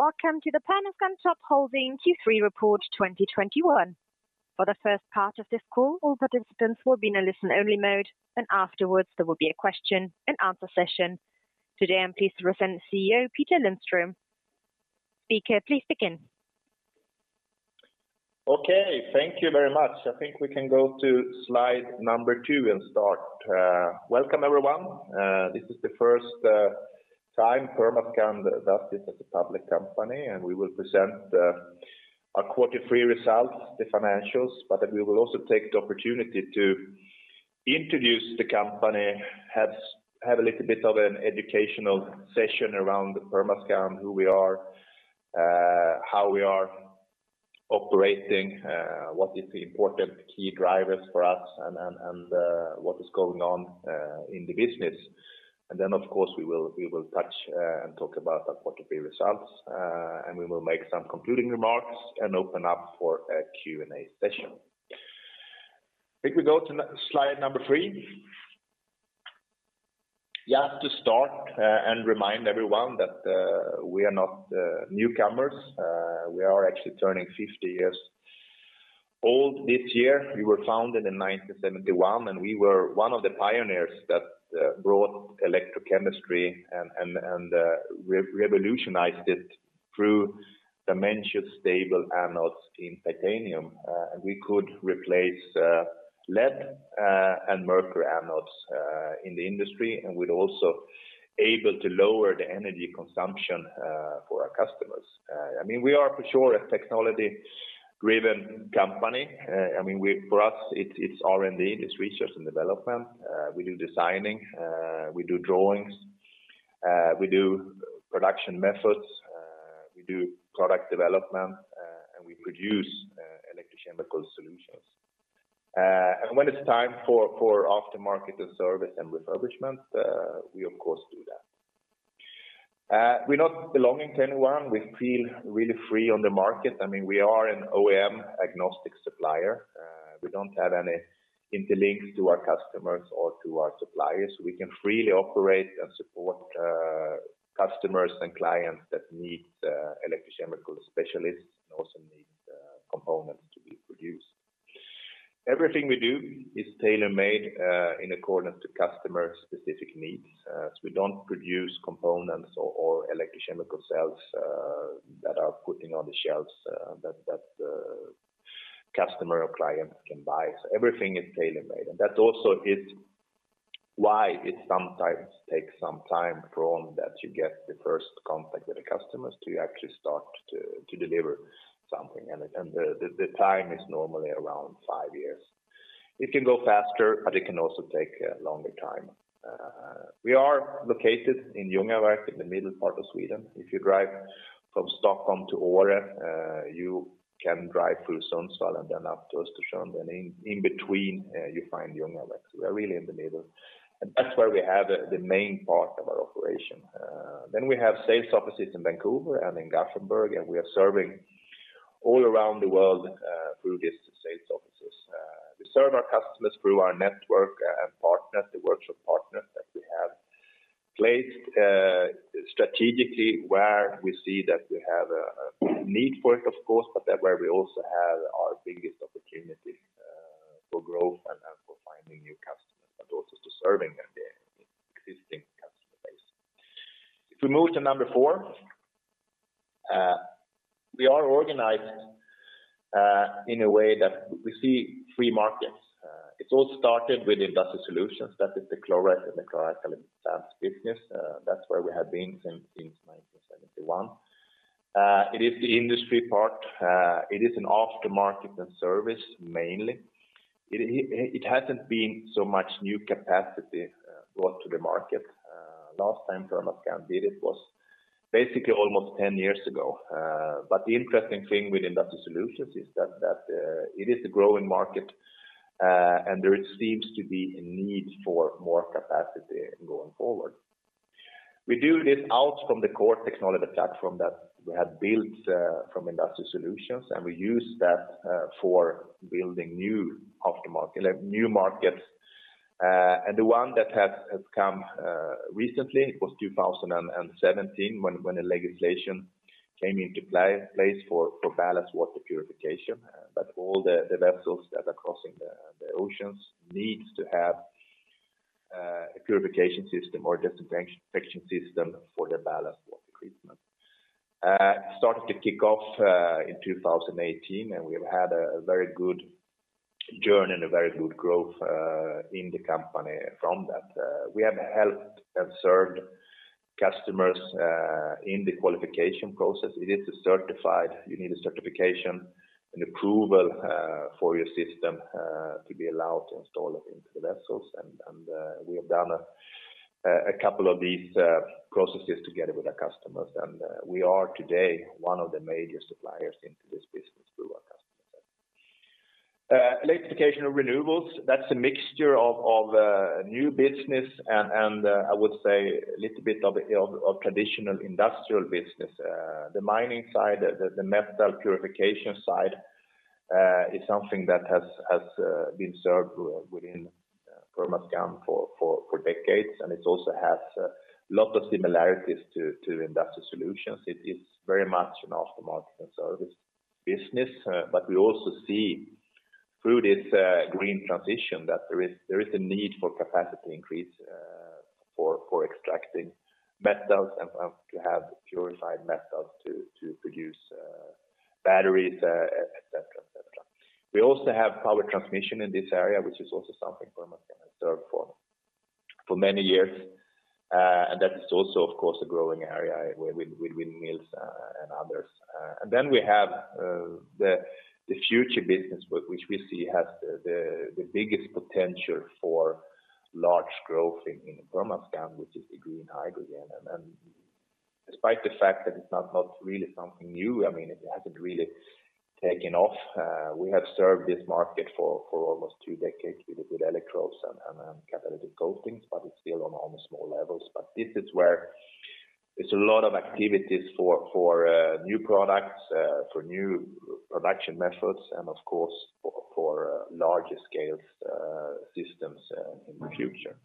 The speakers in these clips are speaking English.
Welcome to the Permascand Top Holding Q3 report 2021. For the first part of this call, all participants will be in a listen-only mode, and afterwards, there will be a question-and-answer session. Today, I'm pleased to present the CEO, Peter Lundström. Speaker, please begin. Okay, thank you very much. I think we can go to slide number two and start. Welcome, everyone. This is the first time Permascand does this as a public company, and we will present our Q3 results, the financials. We will also take the opportunity to introduce the company, have a little bit of an educational session around the Permascand, who we are, how we are operating, what is the important key drivers for us and what is going on in the business. Then, of course, we will touch and talk about our Q3 results, and we will make some concluding remarks and open up for a Q&A session. I think we go to slide number three. Yeah, to start, remind everyone that we are not newcomers. We are actually turning 50 years old this year. We were founded in 1971, and we were one of the pioneers that brought electrochemistry and revolutionized it through dimensionally stable anodes in titanium. We could replace lead and mercury anodes in the industry, and we're also able to lower the energy consumption for our customers. I mean, we are for sure a technology-driven company. I mean, for us, it's R&D, it's research and development. We do designing, we do drawings, we do production methods, we do product development, and we produce electrochemical solutions. When it's time for aftermarket and service and refurbishment, we of course do that. We're not belonging to anyone. We feel really free on the market. I mean, we are an OEM-agnostic supplier. We don't have any interlinks to our customers or to our suppliers. We can freely operate and support, customers and clients that need, electrochemical solutions and also need, components to be produced. Everything we do is tailor-made, in accordance to customer-specific needs. We don't produce components or electrochemical cells, that are put on the shelves, that customer or client can buy. Everything is tailor-made. That also is why it sometimes takes some time from that you get the first contact with the customers to actually start to deliver something. The time is normally around five years. It can go faster, but it can also take a longer time. We are located in Ljungaverk, in the middle part of Sweden. If you drive from Stockholm to Örnsköldsvik, you can drive through Sundsvall and then up to us to Sjundeån. In between, you find Ljungaverk. We're really in the middle. That's where we have the main part of our operation. Then we have sales offices in Vancouver and in Gothenburg, and we are serving all around the world through these sales offices. We serve our customers through our network and partners, the workshop partners that we have placed strategically where we see that we have a need for it, of course, but that's where we also have our biggest opportunity for growth and for finding new customers, but also to serving them there in existing customer base. If we move to number four, we are organized in a way that we see three markets. It all started with Industrial Solutions. That is the chlorate and chlor-alkali plants business. That's where we have been since 1971. It is the industry part. It is an aftermarket and service mainly. It hasn't been so much new capacity brought to the market. Last time Permascand did it was basically almost 10 years ago. The interesting thing with Industrial Solutions is that it is a growing market, and there seems to be a need for more capacity going forward. We do this out from the core technology platform that we have built from Industrial Solutions, and we use that for building new aftermarket, like new markets. The one that has come recently was 2017 when a legislation came into place for ballast water purification. All the vessels that are crossing the oceans needs to have a purification system or disinfection system for their ballast water treatment. It started to kick off in 2018, and we've had a very good journey and a very good growth in the company from that. We have helped and served customers in the qualification process. You need a certification and approval for your system to be allowed to install it into the vessels. We have done a couple of these processes together with our customers. We are today one of the major suppliers into this business through our customer base. Electrification of renewables, that's a mixture of new business and I would say a little bit of traditional industrial business. The mining side, the metal purification side, it's something that has been served within Permascand for decades, and it also has a lot of similarities to Industrial Solutions. It is very much an aftermarket and service business, but we also see through this green transition that there is a need for capacity increase for extracting metals and to have purified metals to produce batteries, et cetera, et cetera. We also have power transmission in this area, which is also something Permascand has served for many years. That is also, of course, a growing area with windmills and others. We have the future business which we see has the biggest potential for large growth in Permascand, which is the green hydrogen. Despite the fact that it's not really something new, I mean, it hasn't really taken off. We have served this market for almost two decades with the good electrodes and catalytic coatings, but it's still on almost small levels. This is where there's a lot of activities for new products, for new production methods and of course for larger scale systems in the future.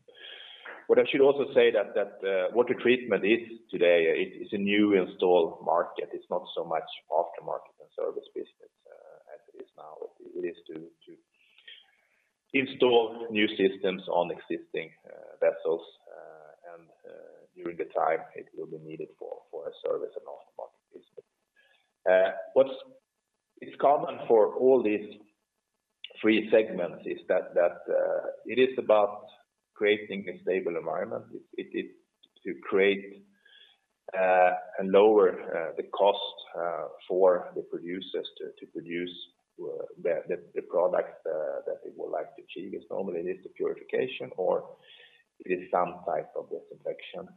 What I should also say that water treatment is today a new installed market. It's not so much aftermarket and service business as it is now. It is to install new systems on existing vessels, and during the time it will be needed for a service and aftermarket business. What is common for all these three segments is that it is about creating a stable environment to create and lower the cost for the producers to produce the products that they would like to achieve. It normally is the purification or it is some type of disinfection.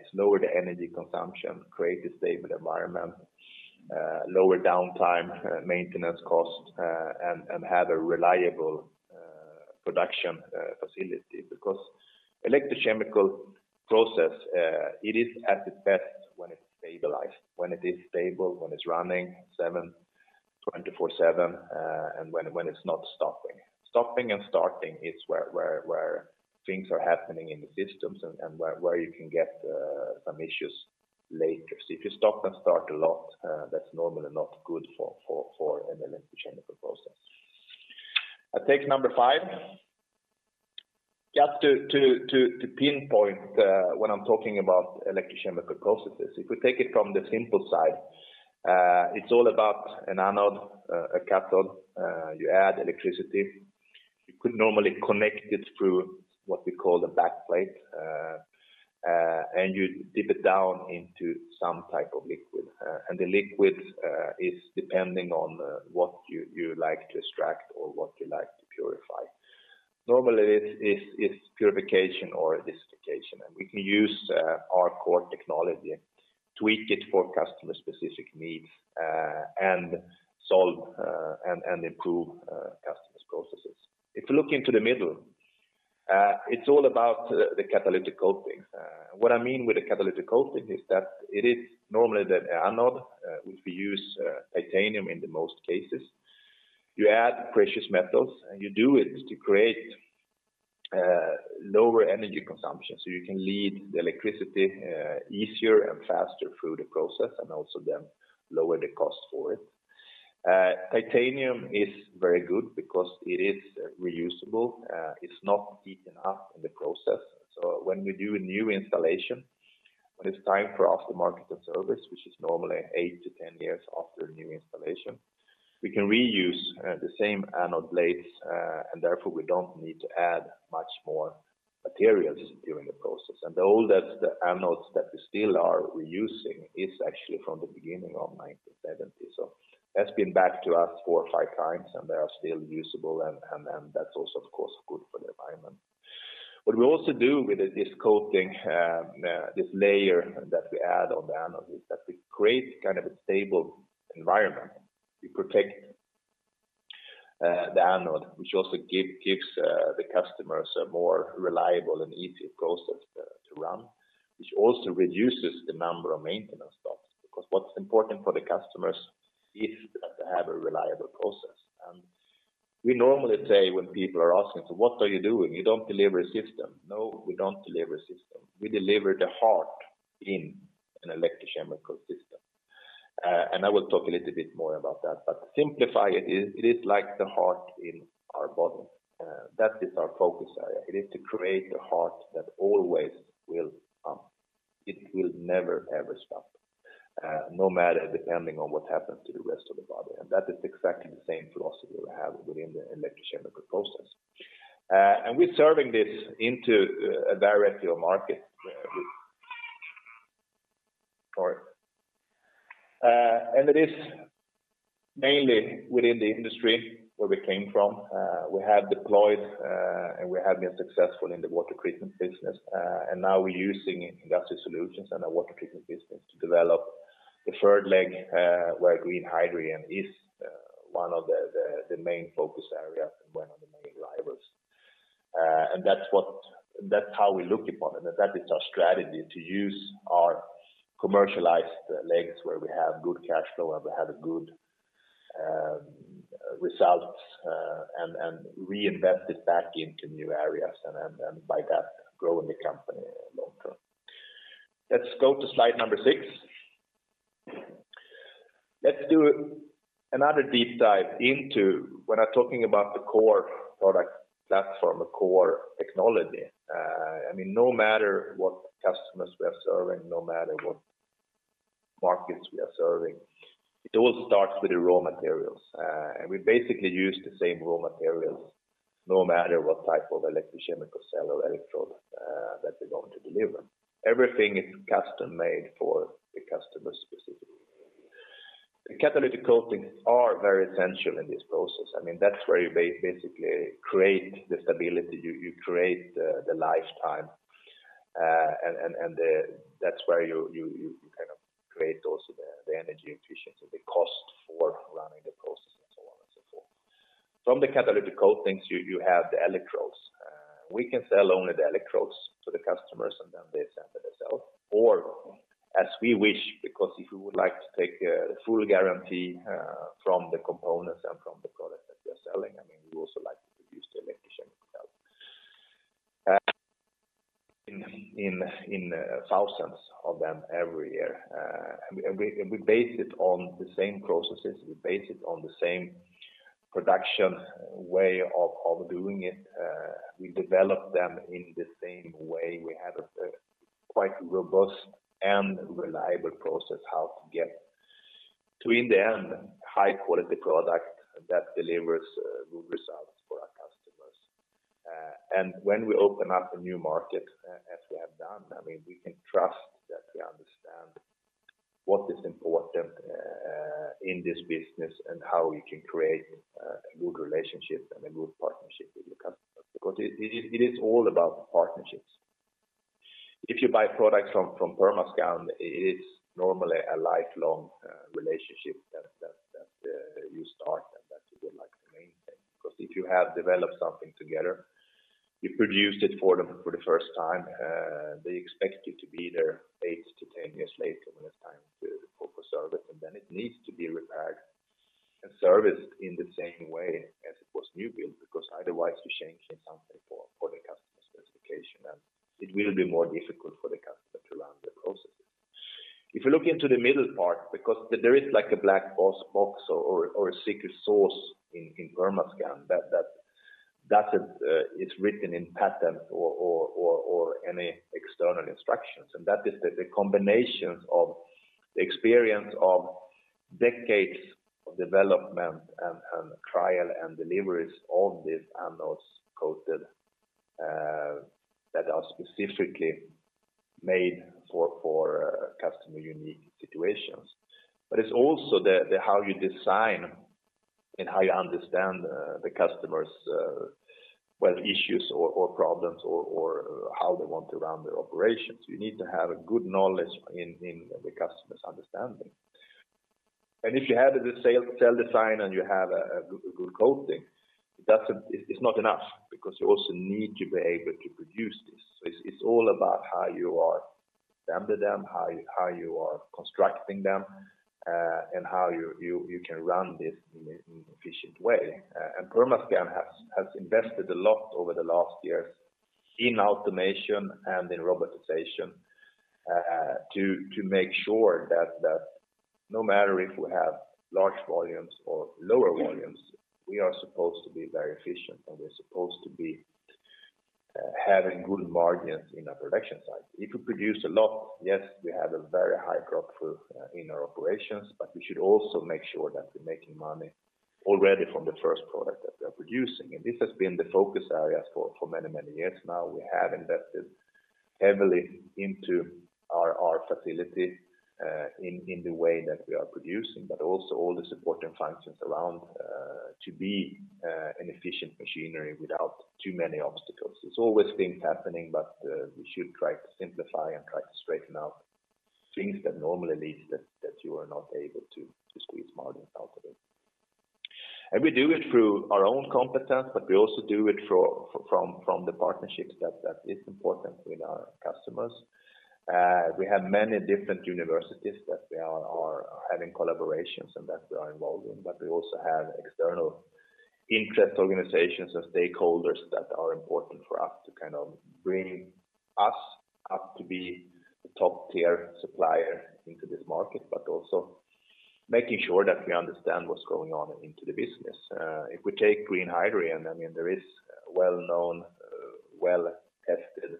It's lower the energy consumption, create a stable environment, lower downtime, maintenance costs, and have a reliable production facility because electrochemical process, it is at its best when it's stabilized, when it is stable, when it's running 24/7, and when it's not stopping. Stopping and starting is where things are happening in the systems and where you can get some issues later. If you stop and start a lot, that's normally not good for an electrochemical process. I take number five. Just to pinpoint when I'm talking about electrochemical processes. If we take it from the simple side, it's all about an anode, a cathode. You add electricity. You could normally connect it through what we call a back plate, and you dip it down into some type of liquid. The liquid is depending on what you like to extract or what you like to purify. Normally it's purification or distillation. We can use our core technology, tweak it for customer specific needs, and solve and improve customers' processes. If you look into the middle, it's all about the catalytic coatings. What I mean with the catalytic coating is that it is normally the anode, which we use titanium in the most cases. You add precious metals, and you do it to create lower energy consumption, so you can lead the electricity easier and faster through the process, and also then lower the cost for it. Titanium is very good because it is reusable. It's not eaten up in the process. When we do a new installation, when it's time for aftermarket and service, which is normally eight-10 years after a new installation, we can reuse the same anode blades. Therefore, we don't need to add much more materials during the process. The oldest anodes that we still are reusing is actually from the beginning of 1970. That's been back to us 4x or 5x, and they are still usable and that's also of course good for the environment. What we also do with this coating, this layer that we add on the anode is that we create kind of a stable environment. We protect the anode, which also gives the customers a more reliable and easy process to run, which also reduces the number of maintenance stops. Because what's important for the customers is that they have a reliable process. We normally say when people are asking, "So what are you doing? You don't deliver a system." No, we don't deliver a system. We deliver the heart in an electrochemical system. I will talk a little bit more about that. To simplify it is like the heart in our body. That is our focus area. It is to create a heart that always will pump. It will never, ever stop, no matter depending on what happens to the rest of the body. That is exactly the same philosophy we have within the electrochemical process. We're serving this into a very few market. It is mainly within the industry where we came from. We have deployed and we have been successful in the water treatment business. Now we're using Industrial Solutions and our water treatment business to develop the third leg, where green hydrogen is one of the main focus areas. That's how we look upon it, and that is our strategy to use our commercialized legs where we have good cash flow and we have a good results and by that growing the company long term. Let's go to slide number six. Let's do another deep dive into when I'm talking about the core product platform, the core technology. I mean, no matter what customers we are serving, no matter what markets we are serving, it all starts with the raw materials. We basically use the same raw materials no matter what type of electrochemical cell or electrode that we're going to deliver. Everything is custom-made for the customer specifically. The catalytic coatings are very essential in this process. I mean, that's where you basically create the stability. You create the lifetime. That's where you kind of create also the energy efficiency, the cost for running the process, and so on and so forth. From the catalytic coatings, you have the electrodes. We can sell only the electrodes to the customers, and then they sell it themselves. As we wish, because if we would like to take the full guarantee from the components and from the product that we are selling, I mean, we also like to produce the electrochemistry ourselves. In thousands of them every year. We base it on the same processes. We base it on the same production way of doing it. We develop them in the same way. We have a quite robust and reliable process how to get to, in the end, high quality product that delivers good results for our customers. When we open up a new market, as we have done, I mean, we can trust that we understand what is important in this business and how we can create a good relationship and a good partnership with the customer because it is all about partnerships. If you buy products from Permascand, it is normally a lifelong relationship that you start and that you would like to maintain. Because if you have developed something together, you produced it for them for the first time, they expect you to be there eight-10 years later when it's time to call for service. Then it needs to be repaired and serviced in the same way as it was new built because otherwise you're changing something for the customer's specification, and it will be more difficult for the customer to run the processes. If you look into the middle part because there is like a black box or a secret source in Permascand that is, it's written in patent or any external instructions. That is the combinations of the experience of decades of development and trial and deliveries of these anodes coated that are specifically made for customer unique situations. It's also the how you design and how you understand the customer's well issues or problems or how they want to run their operations. You need to have a good knowledge in the customer's understanding. If you have the cell design and you have a good coating, that's it's not enough because you also need to be able to produce this. It's all about how you are stamping them, how you are constructing them, and how you can run this in an efficient way. Permascand has invested a lot over the last years in automation and in robotization to make sure that no matter if we have large volumes or lower volumes, we are supposed to be very efficient, and we're supposed to be having good margins in our production side. If you produce a lot, yes, we have a very high throughput in our operations, but we should also make sure that we're making money already from the first product that we are producing. This has been the focus areas for many years now. We have invested heavily into our facility in the way that we are producing, but also all the support and functions around to be an efficient machinery without too many obstacles. It's always things happening, but we should try to simplify and try to straighten out things that normally leads that you are not able to squeeze margins out of it. We do it through our own competence, but we also do it through from the partnerships that is important with our customers. We have many different universities that we are having collaborations and that we are involved in. We also have external interest organizations and stakeholders that are important for us to kind of bring us up to be a top-tier supplier into this market, also making sure that we understand what's going on into the business. If we take green hydrogen, I mean, there is well-known, well-tested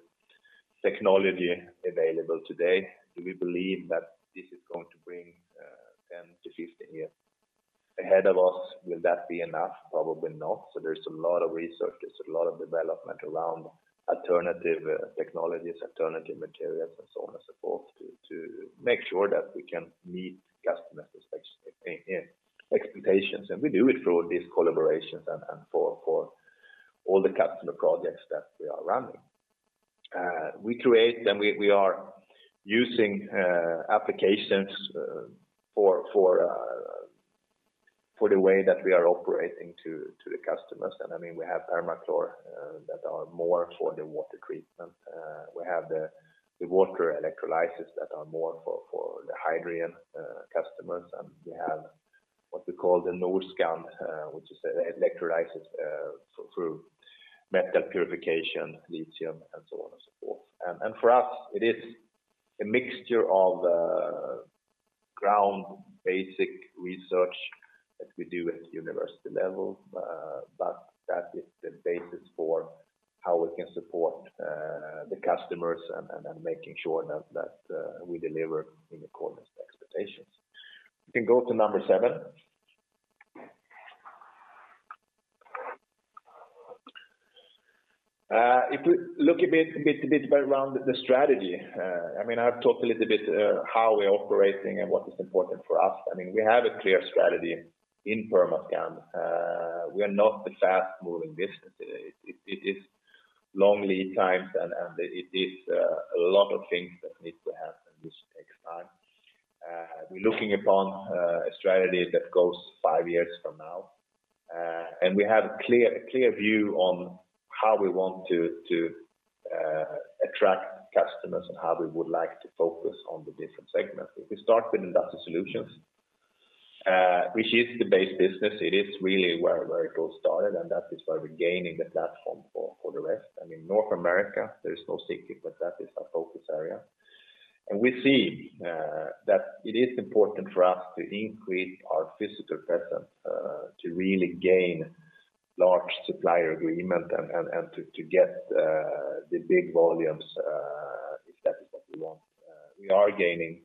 technology available today. Do we believe that this is going to bring 10-15 years ahead of us? Will that be enough? Probably not. There's a lot of research, there's a lot of development around alternative technologies, alternative materials, and so on and so forth to make sure that we can meet customer expectations. We do it through these collaborations and for all the customer projects that we are running. We are using applications for the way that we are operating to the customers, and I mean, we have PermaChlor that are more for the water treatment. We have the water electrolysis that are more for the hydrogen customers. We have what we call the NORSCAND, which is a electrolysis for metal purification, lithium, and so on and so forth. For us, it is a mixture of ground basic research that we do at university level, but that is the basis for how we can support the customers and making sure that we deliver in accordance to expectations. You can go to number seven. If we look a bit around the strategy, I mean, I've talked a little bit how we're operating and what is important for us. I mean, we have a clear strategy in Permascand. We are not the fast-moving business. It is long lead times and it is a lot of things that need to happen which takes time. We're looking upon a strategy that goes five years from now. We have a clear view on how we want to attract customers and how we would like to focus on the different segments. If we start with Industrial Solutions, which is the base business, it is really where it all started and that is where we're gaining the platform for the rest. I mean, North America, there is no secret that that is our focus area. We see that it is important for us to increase our physical presence to really gain large supplier agreement and to get the big volumes if that is what we want. We are gaining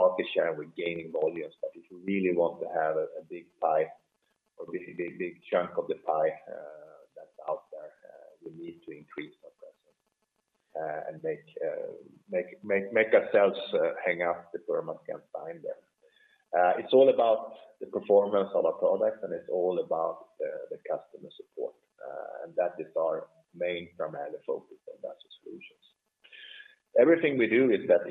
market share, we're gaining volumes, but if we really want to have a big pie or big chunk of the pie that's out there, we need to increase our presence and make ourselves hang out the Permascand sign there. It's all about the performance of our products, and it's all about the customer support. That is our main primary focus on Industrial Solutions. Everything we do is that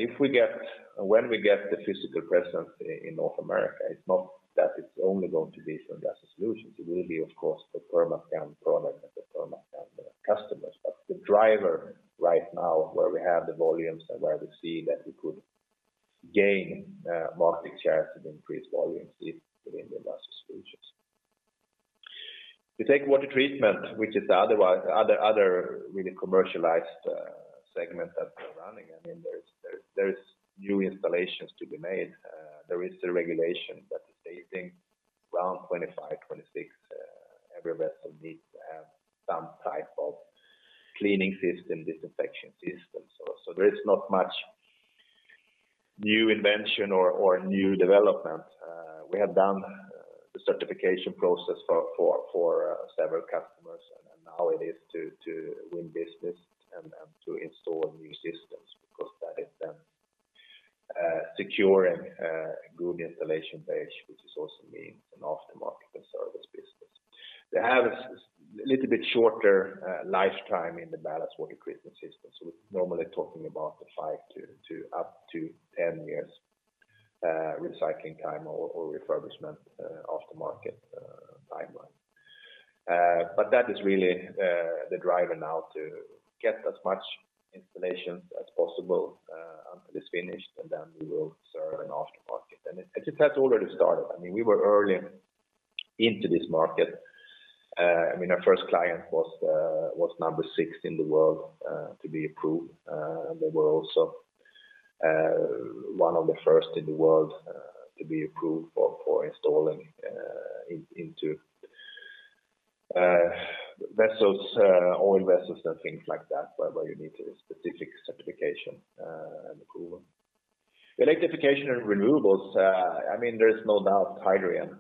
when we get the physical presence in North America, it's not that it's only going to be for Industrial Solutions. It will be, of course, the Permascand product and the Permascand customers. The driver right now where we have the volumes and where we see that we could gain market shares and increase volumes is within the Industrial Solutions. We take water treatment, which is the other really commercialized segment that we're running. I mean, there's new installations to be made. There is the regulation that is stating around 2025, 2026, every vessel needs to have some type of cleaning system, disinfection system. There is not much new invention or new development. We have done the certification process for several customers, and now it is to win business and to install new systems because that is a secure and good installation base, which also means an aftermarket and service business. They have a little bit shorter lifetime in the ballast water treatment system. We're normally talking about five-10 years recycling time or refurbishment aftermarket timeline. That is really the driver now to get as much installations as possible until it's finished, and then we will serve an aftermarket. It has already started. I mean, we were early into this market. I mean, our first client was number six in the world to be approved. They were also one of the first in the world to be approved for installing into vessels, oil vessels and things like that where you need a specific certification and approval. Electrification and renewables, I mean, there is no doubt hydrogen.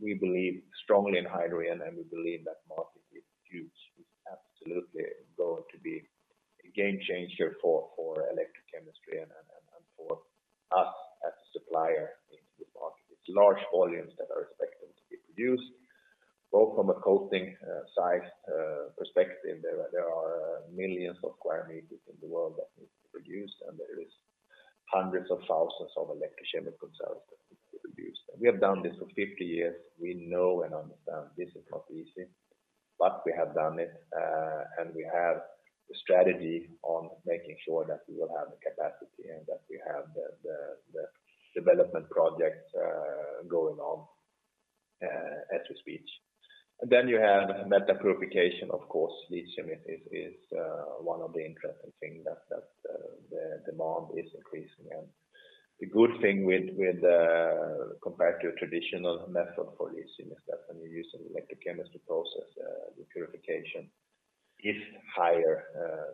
We believe strongly in hydrogen, and we believe that market is huge. It's absolutely going to be a game changer for electrochemistry and for us as a supplier into the market. It's large volumes that are expected to be produced, both from a coating size perspective. There are millions of sq m in the world that need to be produced, and there are hundreds of thousands of electrochemical cells that need to be produced. We have done this for 50 years. We know and understand this is not easy, but we have done it, and we have the strategy on making sure that we will have the capacity and that we have the development projects going on as we speak. Then you have metal purification, of course. Lithium is one of the interesting things that the demand is increasing. The good thing with compared to a traditional method for lithium is that when you're using electrochemistry process, the purification is higher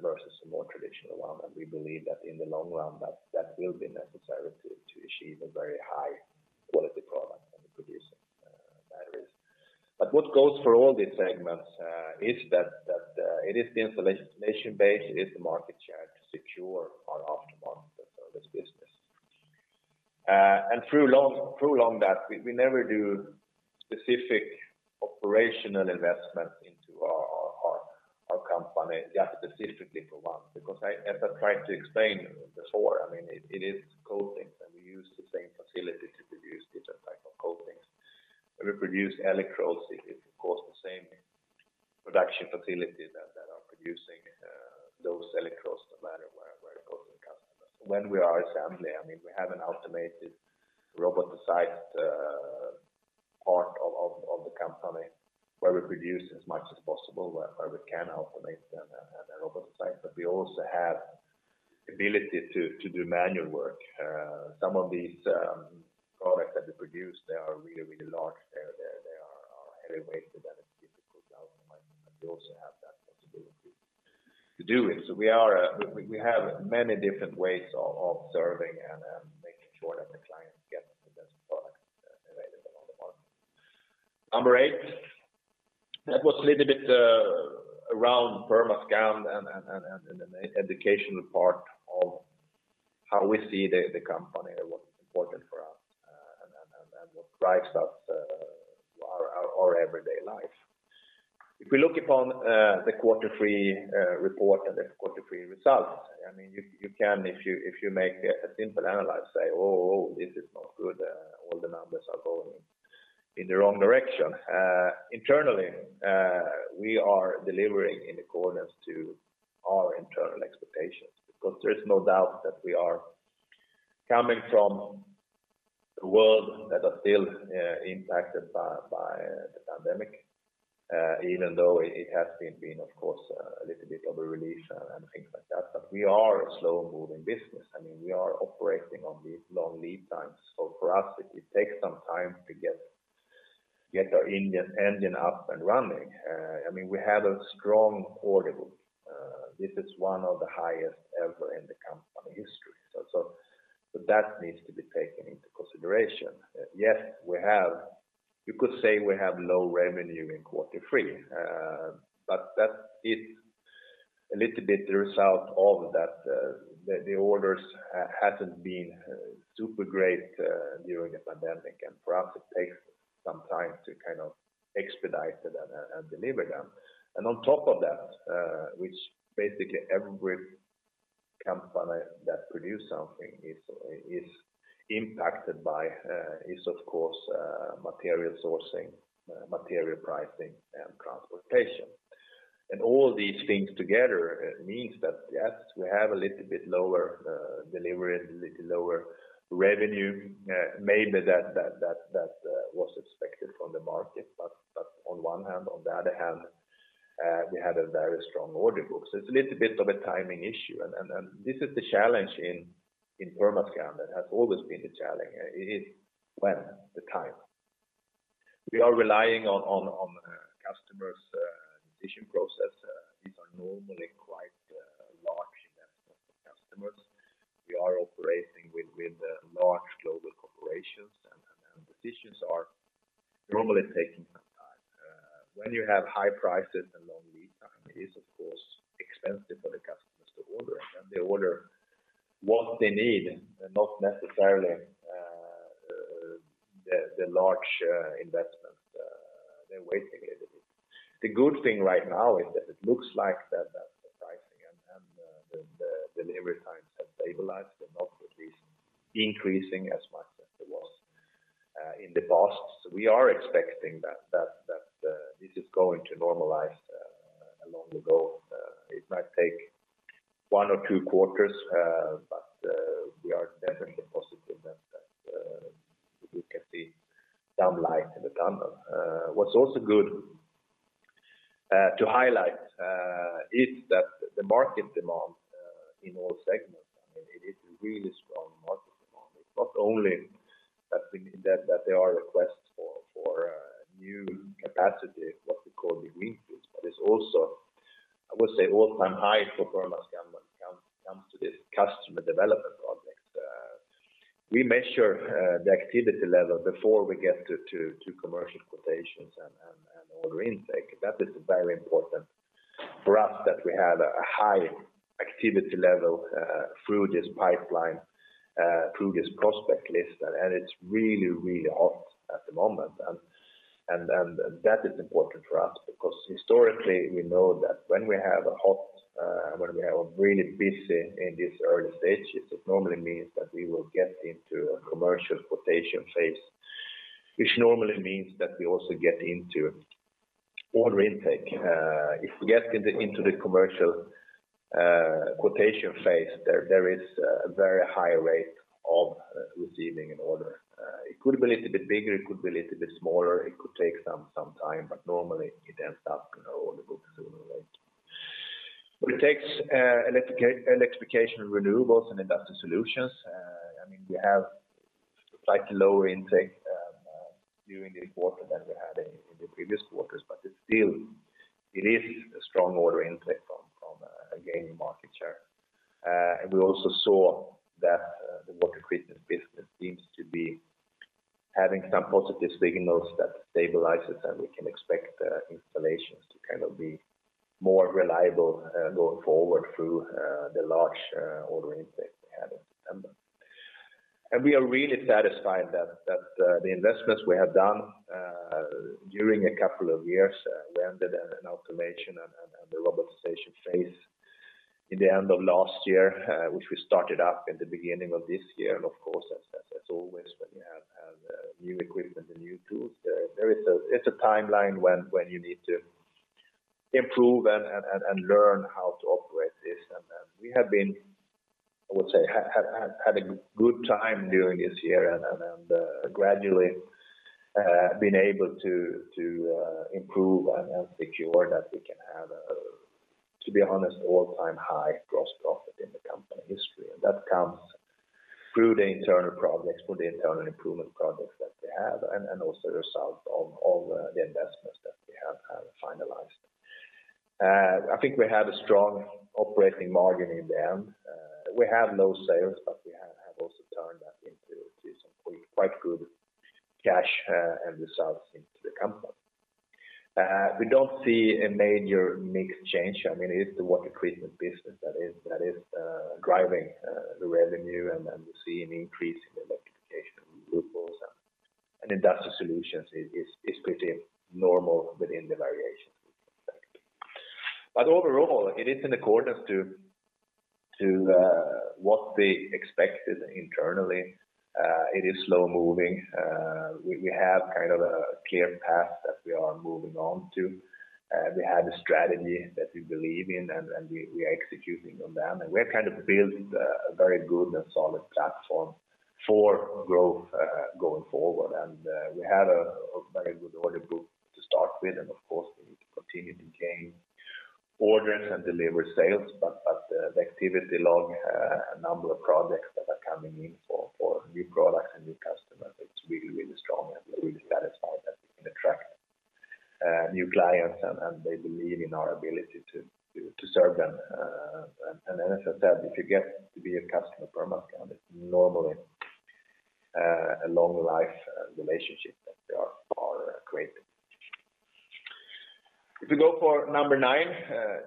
versus a more traditional one. We believe that in the long run, that will be necessary to achieve a very high quality product when we're producing batteries. What goes for all these segments is that it is the installation base. It is the market share to secure our aftermarket service business. Through that, we never do specific operational investment into our company just specifically for one, because as I tried to explain before, I mean, it is coatings, and we use the same facility to produce different types of coatings. When we produce electrodes, it is of course the same production facility that is producing those electrodes no matter where it goes to customers. When we are assembling, I mean, we have an automated roboticized part of the company where we produce as much as possible where we can automate them at a robotize. We also have ability to do manual work. Some of these products that we produce, they are really large. They're heavyweight, so it's difficult to automate, but we also have that possibility to do it. We have many different ways of serving and making sure that the client gets the best product available on the market. Number eight, that was a little bit around Permascand and the educational part of how we see the company and what's important for us, and what drives us, our everyday life. If we look upon the Q3 report and the Q3 results, I mean, you can if you make a simple analysis say, "Oh, this is not good. All the numbers are going in the wrong direction. Internally, we are delivering in accordance to our internal expectations because there is no doubt that we are coming from a world that are still impacted by the pandemic. Even though it has been, of course, a little bit of a relief, and things like that. We are a slow-moving business. I mean, we are operating on these long lead times. For us, it takes some time to get our internal engine up and running. I mean, we have a strong order book. This is one of the highest ever in the company history. That needs to be taken into consideration. Yes, we have. You could say we have low revenue in Q3. That is a little bit the result of that, the orders hasn't been super great during the pandemic. For us, it takes some time to kind of expedite them and deliver them. On top of that, which basically every company that produce something is impacted by, is of course material sourcing, material pricing, and transportation. All these things together, it means that yes, we have a little bit lower delivery and a little lower revenue, maybe that was expected from the market, but on one hand, on the other hand, we had a very strong order book. It's a little bit of a timing issue. This is the challenge in Permascand and has always been the challenge. It is when the time we are relying on customers' decision process. These are normally quite large investment for customers. We are operating with large global corporations and decisions are normally taking some time. When you have high prices and long lead time, it is of course expensive for the customers to order. Then they order what they need and not necessarily the large investment. They're waiting a little bit. The good thing right now is that it looks like the pricing and the delivery times have stabilized and not at least increasing as much as it was in the past. We are expecting that this is going to normalize along the goal. It might take one or two quarters, but we are definitely positive that we can see some light in the tunnel. What's also good to highlight is that the market demand in all segments, I mean, it is a really strong market demand. It's not only that there are requests for new capacity, what we call the greenfields, but it's also, I would say, all-time high for Permascand when it comes to the customer development projects. We measure the activity level before we get to commercial quotations and order intake. That is very important for us, that we have a high activity level through this pipeline, through this prospect list. It's really hot at the moment. That is important for us because historically, we know that when we have a really busy in these early stages, it normally means that we will get into a commercial quotation phase, which normally means that we also get into order intake. If we get into the commercial quotation phase, there is a very high rate of receiving an order. It could be a little bit bigger, it could be a little bit smaller, it could take some time, but normally it ends up in our order book sooner or later. It takes electrification, renewables, and Industrial Solutions. I mean, we have slightly lower intake during this quarter than we had in the previous quarters, but it's still a strong order intake from gaining market share. We also saw that the water treatment business seems to be having some positive signals that stabilizes, and we can expect installations to kind of be more reliable going forward through the large order intake we had in September. We are really satisfied that the investments we have done during a couple of years, we ended an automation and the robotization phase in the end of last year, which we started up in the beginning of this year. Of course, as always, when you have new equipment and new tools, there is a timeline when you need to improve and learn how to operate this. We have had a good time during this year and gradually been able to improve and secure that we can have, to be honest, all-time high gross profit in the company history. That comes through the internal projects, through the internal improvement projects that we have and also a result of all the investments that we have finalized. I think we have a strong operating margin in the end. We have low sales, but we have also turned that into some quite good cash and results into the company. We don't see a major mix change. I mean, it is the water treatment business that is driving the revenue, and then we see an increase in electrification of group also. Industrial Solutions is pretty normal within the variation. If we go for number nine,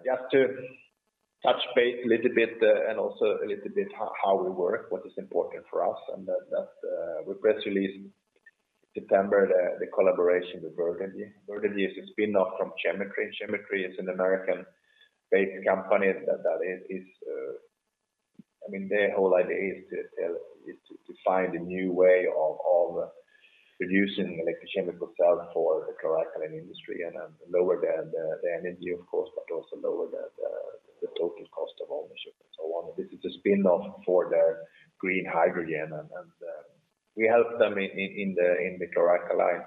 just to touch base a little bit, and also a little bit how we work, what is important for us, and that we press release September the collaboration with Verdagy. Verdagy is a spin-off from Chemetry. Chemetry is an American-based company that is... I mean, their whole idea is to find a new way of reducing electrochemical cell for the chlor-alkali industry and lower the energy of course, but also lower the total cost of ownership and so on. This is a spin-off for the green hydrogen, and we help them in the chlor-alkali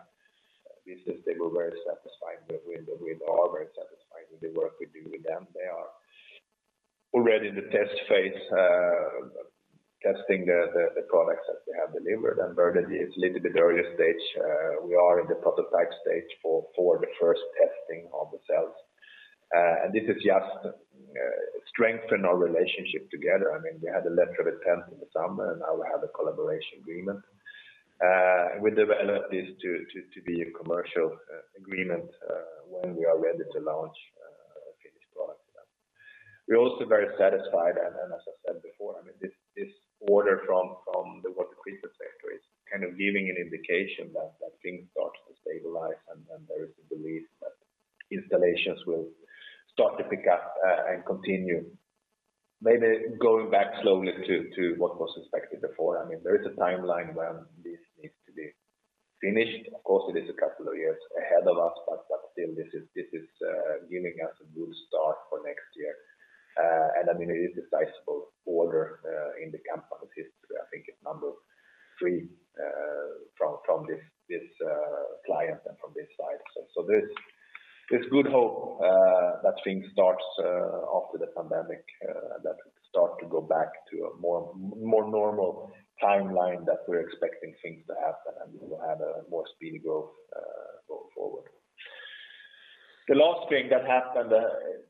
business. We are all very satisfied with the work we do with them. They are already in the test phase, testing the products that we have delivered. Verdagy is a little bit earlier stage. We are in the prototype stage for the first testing of the cells. This just strengthens our relationship together. I mean, we had a letter of intent in the summer, and now we have a collaboration agreement, with the aim of this to be a commercial agreement, when we are ready to launch a finished product to them. We're also very satisfied and as I said before, I mean this order from the water treatment sector is kind of giving an indication that things start to stabilize and there is a belief that installations will start to pick up, and continue maybe going back slowly to what was expected before. I mean, there is a timeline when this needs to be finished. Of course, it is a couple of years ahead of us, but still this is giving us a good start for next year. I mean, it is a sizable order in the company's history. I think it's number three from this client and from this side. There's good hope that things start to go back after the pandemic to a more normal timeline that we're expecting things to happen, and we will have a more speedy growth going forward. The last thing that happened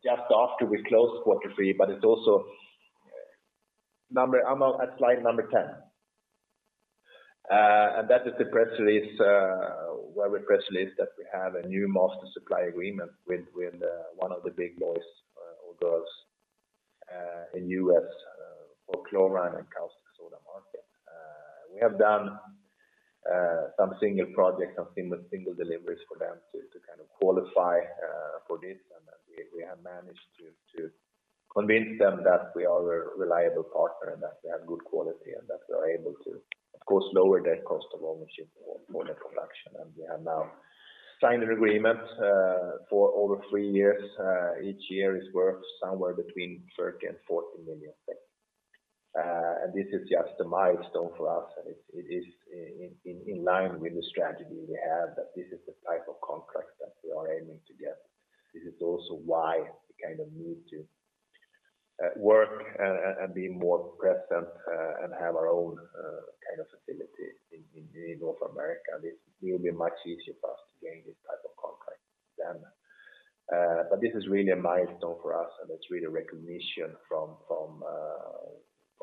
just after we closed Q3. I'm at slide number 10. That is the press release where we press released that we have a new master supply agreement with one of the big boys or girls in U.S. for chlorine and caustic soda market. We have done some single projects, some single deliveries for them to kind of qualify for this, and we have managed to convince them that we are a reliable partner and that we have good quality and that we are able to, of course, lower their cost of ownership for their production. We have now signed an agreement for over three years. Each year is worth somewhere between 30 million and 40 million. Permascand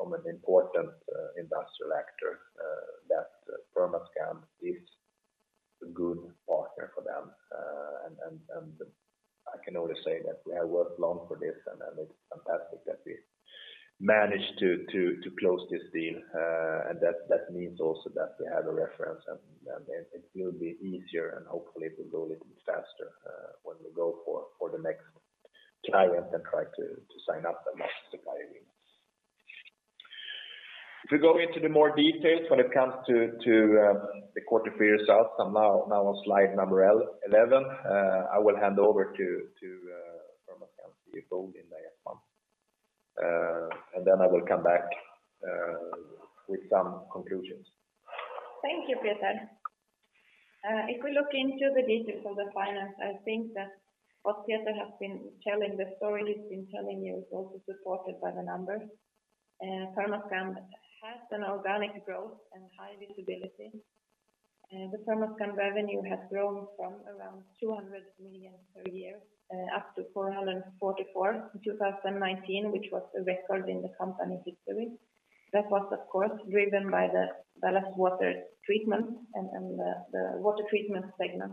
is a good partner for them. I can only say that we have worked long for this, and it's fantastic that we managed to close this deal. That means also that we have a reference, and it will be easier, and hopefully it will go a little bit faster, when we go for the next client and try to sign up the next supply agreements. If we go into more details when it comes to the Q3 results, I'm now on slide number 11. I will hand over to Permascand CFO, Linda Ekman. I will come back with some conclusions. Thank you, Peter. If we look into the details of the finance, I think that what Peter has been telling, the story he's been telling you is also supported by the numbers. Permascand has an organic growth and high visibility. The Permascand revenue has grown from around 200 million per year up to 444 million in 2019, which was a record in the company's history. That was, of course, driven by the ballast water treatment and the water treatment segment.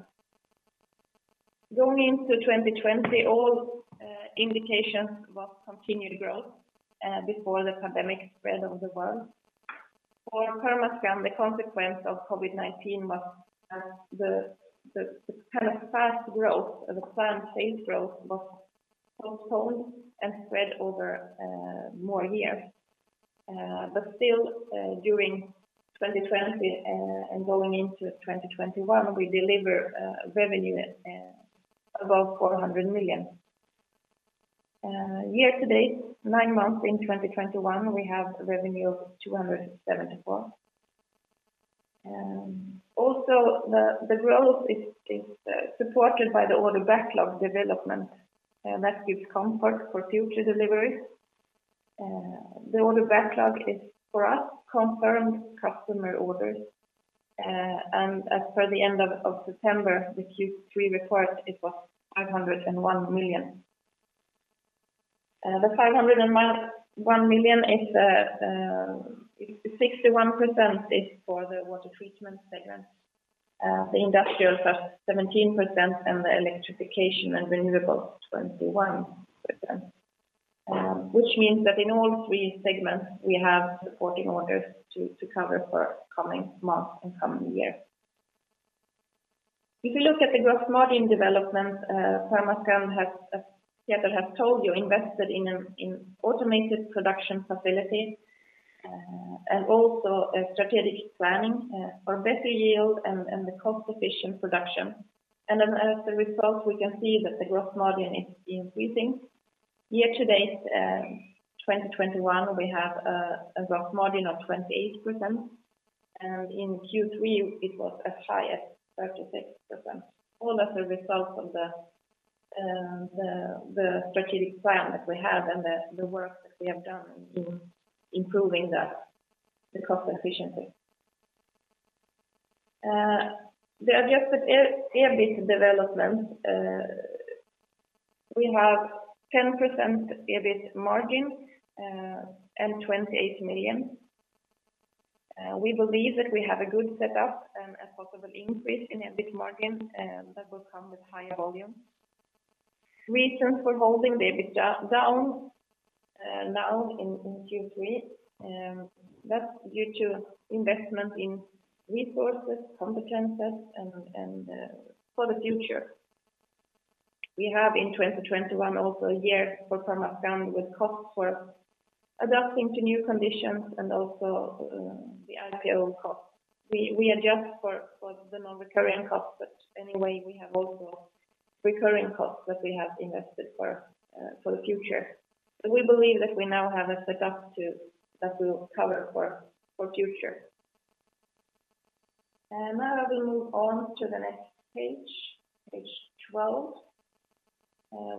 Going into 2020, all indications was continued growth before the pandemic spread over the world. For Permascand, the consequence of COVID-19 was that the kind of fast growth, the planned sales growth was postponed and spread over more years. During 2020 and going into 2021, we deliver revenue above 400 million. Year to date, nine months in 2021, we have revenue of 274 million. Also the growth is supported by the order backlog development that gives comfort for future delivery. The order backlog is, for us, confirmed customer orders. As per the end of September, the Q3 report, it was 501 million. The 501 million is, 61% is for the water treatment segment. The industrial is 17%, and the electrification and renewable, 21%. Which means that in all three segments, we have supporting orders to cover for coming months and coming years. If you look at the gross margin development, Permascand has, as Peter has told you, invested in in automated production facilities and also a strategic planning for better yield and the cost-efficient production. As a result, we can see that the gross margin is increasing. Year to date, 2021, we have a gross margin of 28%, and in Q3, it was as high as 36%. All as a result of the strategic plan that we have and the work that we have done in improving the cost efficiency. The adjusted EBIT development, we have 10% EBIT margin and 28 million. We believe that we have a good setup and a possible increase in EBIT margin that will come with higher volume. Reasons for holding the EBITDA down in Q3, that's due to investment in resources, competencies, and for the future. We have in 2021 also a year for Permascand with costs for adapting to new conditions and also the IPO costs. We adjust for the non-recurring costs, but anyway, we have also recurring costs that we have invested for the future. We believe that we now have a setup that will cover for future. Now I will move on to the next page 12.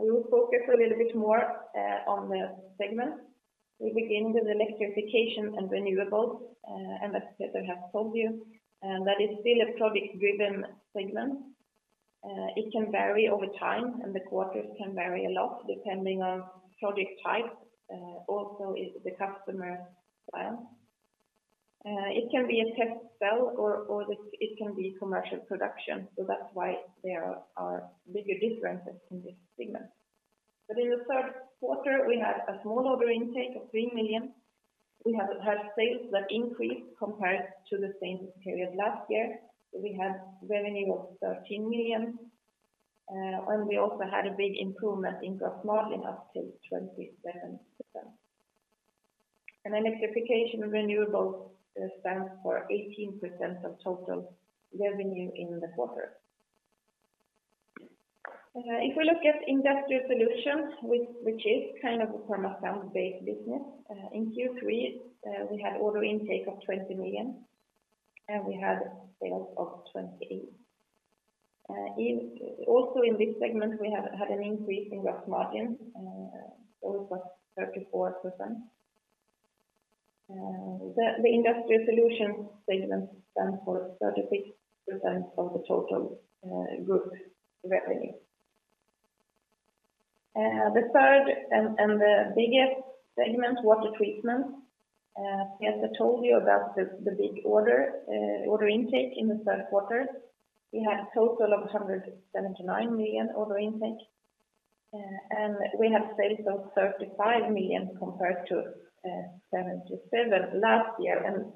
We will focus a little bit more on the segments. We begin with the electrification and renewables, and as Peter has told you, that is still a project-driven segment. It can vary over time, and the quarters can vary a lot depending on project type, also if the customer plan. It can be a test cell or it can be commercial production, so that's why there are bigger differences in this segment. In the Q3, we had a small order intake of 3 million. We have had sales that increased compared to the same period last year. We had revenue of 13 million, and we also had a big improvement in gross margin up to 27%. Electrification renewables stands for 18% of total revenue in the quarter. If we look at Industrial Solutions, which is kind of a Permascand base business, in Q3, we had order intake of 20 million, and we had sales of 28. Also in this segment, we have had an increase in gross margin. It was 34%. The Industrial Solutions segment stands for 36% of the total group revenue. The third and the biggest segment, Water Treatment, as I told you about the big order intake in the Q3, we had a total of 179 million order intake. We have sales of 35 million compared to 77 million last year.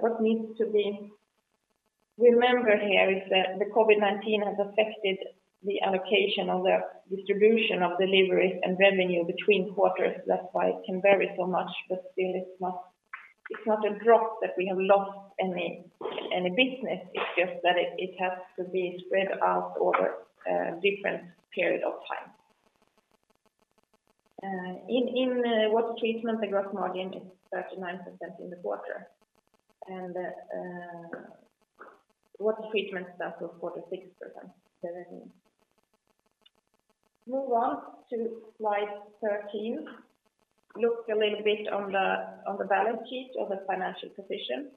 What needs to be remembered here is that the COVID-19 has affected the allocation of the distribution of deliveries and revenue between quarters. That's why it can vary so much, but still it's not a drop that we have lost any business. It's just that it has to be spread out over a different period of time. In water treatment, the gross margin is 39% in the quarter. Water treatment sales of 46% revenue. Move on to slide 13. Look a little bit on the balance sheet of the financial position.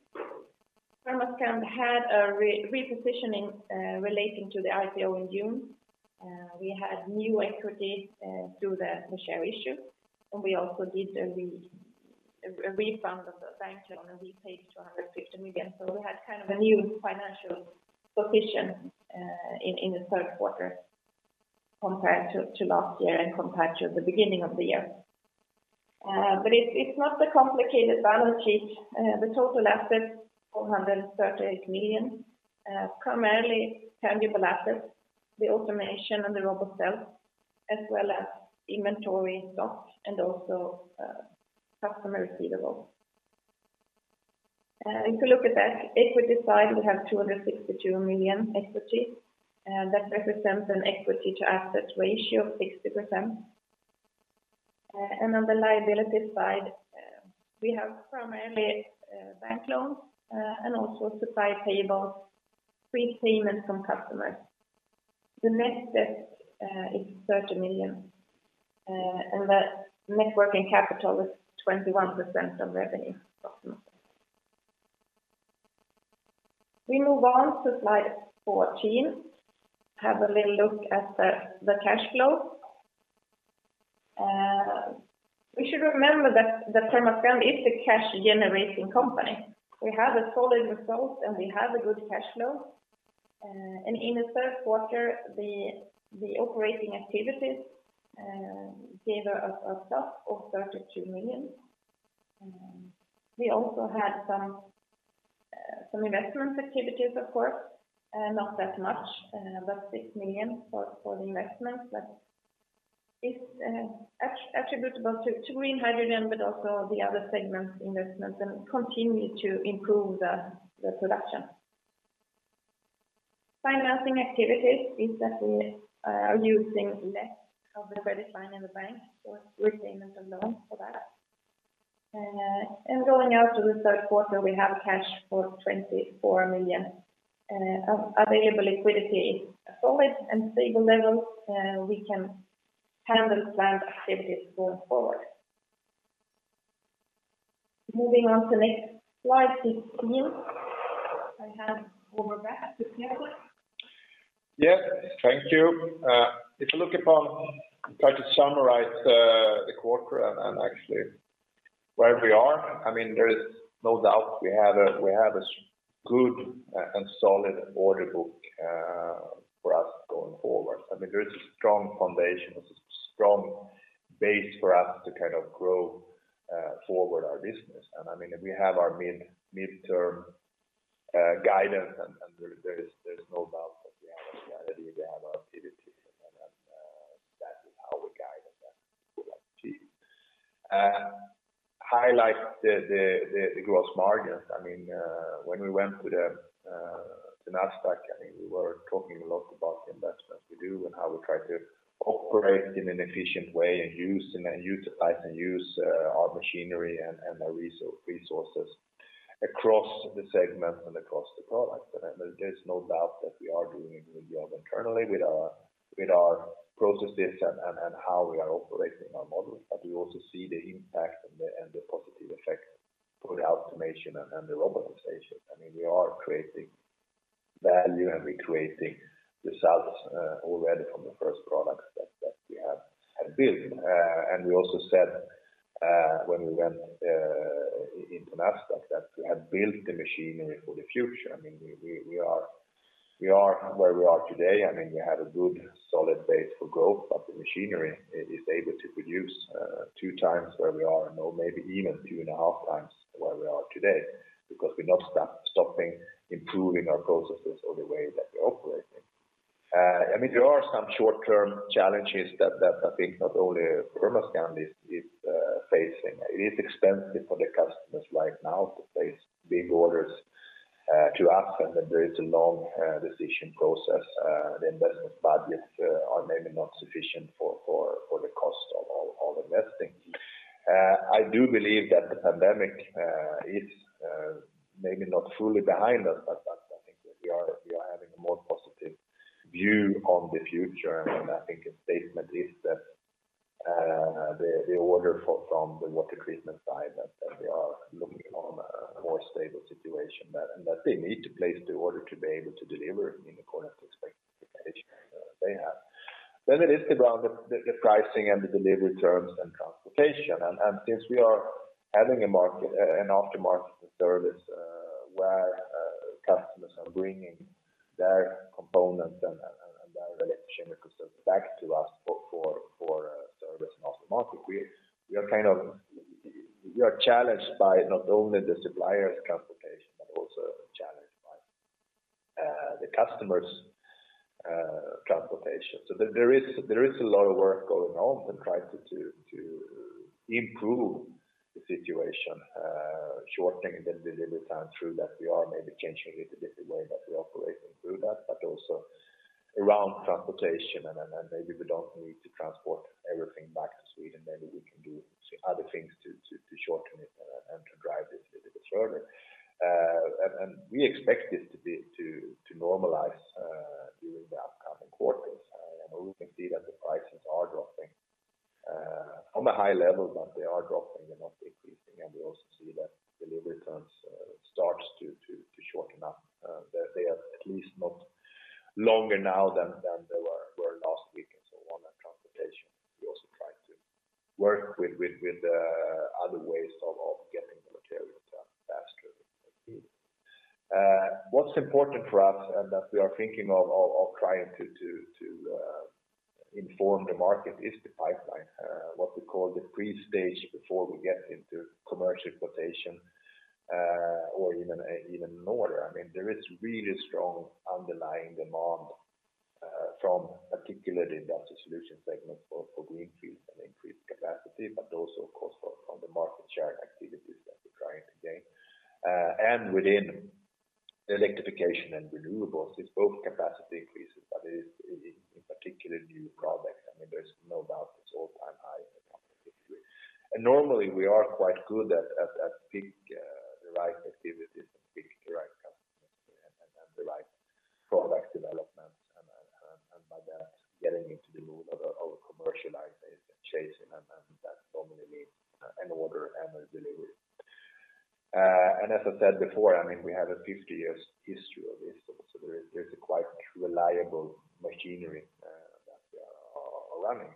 Permascand had a repositioning relating to the IPO in June. We had new equity through the share issue, and we also did a refund of the bank loan, and we paid 250 million. We had kind of a new financial position in the Q3 compared to last year and compared to the beginning of the year. It's not a complicated balance sheet. The total assets, 438 million, primarily tangible assets, the automation and the robot cells, as well as inventory stock and also, customer receivables. If you look at the equity side, we have 262 million equity. That represents an equity to asset ratio of 60%. On the liability side, we have primarily, bank loans, and also supply payables, prepayment from customers. The net debt is 30 million, and the net working capital is 21% of revenue approximately. We move on to slide 14. Have a little look at the cash flow. We should remember that Permascand is a cash generating company. We have a solid result, and we have a good cash flow. In the Q3, the operating activities gave a surplus of 32 million. We also had some investment activities, of course, not that much, about 6 million for the investment, but it's attributable to green hydrogen, but also the other segments investments and continue to improve the production. Financing activities is that we are using less of the credit line in the bank for repayment of loans for that. Going out to the Q3, we have cash for 24 million of available liquidity, a solid and stable level. We can handle planned activities going forward. Moving on to next slide 16. I hand over back to Peter. Yeah. Thank you. If you look upon, try to summarize the quarter and actually where we are, I mean, there is no doubt we have a good and solid order book for us going forward. I mean, there is a strong foundation. There's a strong base for us to kind of grow forward our business. I mean, we have our midterm guidance and there is no doubt that we have a clarity, we have our clarity and that is how we guide and that we want to achieve. Highlight the gross margins. I mean, when we went to Nasdaq, I mean, we were talking a lot about the investment we do and how we try to operate in an efficient way and use and utilize our machinery and our resources across the segment and across the product. There's no doubt that we are doing a good job internally with our processes and how we are operating our model. We also see the impact and the positive effect for the automation and the robotization. I mean, we are creating value, and we're creating results already from the first products that we have built. We also said when we went into Nasdaq that we have built the machinery for the future. I mean, we are where we are today. I mean, we have a good solid base for growth, but the machinery is able to produce two times where we are now, maybe even two and a half times where we are today, because we're not stopping improving our processes or the way that we're operating. I mean, there are some short term challenges that I think not only Permascand is facing. It is expensive for the customers right now to place big orders to us, and then there is a long decision process. The investment budgets are maybe not sufficient for the cost of all investing. I do believe that the pandemic is maybe not fully behind us, but that I think that we are having a more positive view on the future. I think a statement is that the order for, from the water treatment side that they are looking on a more stable situation that they need to place the order to be able to deliver, I mean, according to expectation they have. It is the ground the pricing and the delivery terms and transportation. Since we are adding a market an aftermarket service where customers are bringing their components and their electrochemical back to us for service and aftermarket, we are kind of... We are challenged by not only the supplier's transportation, but also challenged by the customer's transportation. There is a lot of work going on to try to improve the situation, shortening the delivery time through that. We are maybe changing a little bit the way that we operate and do that, but also around transportation and maybe we don't need to transport everything back to Sweden. Maybe we can do some other things to shorten it and to drive this a little bit further. We expect this to normalize during the upcoming quarters. We can see that the prices are dropping on a high level, but they are dropping. They're not increasing. We also see that delivery terms starts to shorten up. They are at least not longer now than they were last week. On that transportation, we also try to work with other ways of getting the materials out faster if need. What's important for us that we are thinking of trying to inform the market is the pipeline, what we call the pre-stage before we get into commercial quotation, or even an order. I mean, there is really strong underlying demand from particularly Industrial Solutions segment for greenfield and increased capacity, but also of course from the market share activities that we're trying to gain. Within electrification and renewables, it's both capacity increases, but it is in particular new products. I mean, there's no doubt it's all-time high in the company's history. Normally we are quite good at picking the right activities and pick the right customers and the right product development. By that getting into the mode of commercializing and chasing them, and that normally means an order and a delivery. As I said before, I mean, we have a 50-year history of this. There is a quite reliable machinery that we are running.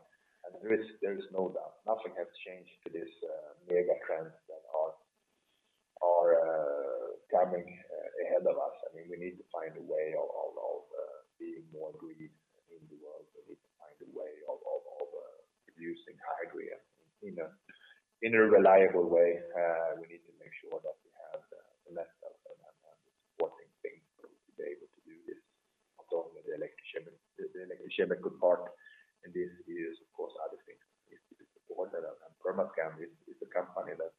There is no doubt, nothing has changed to these mega trends that are coming ahead of us. I mean, we need to find a way of being more green in the world. We need to find a way of producing hydrogen in a reliable way. We need to make sure that we have less of a supporting thing for us to be able to do this. Of course, the electrochemical part in this is of course other things that need to be supported. Permascand is a company that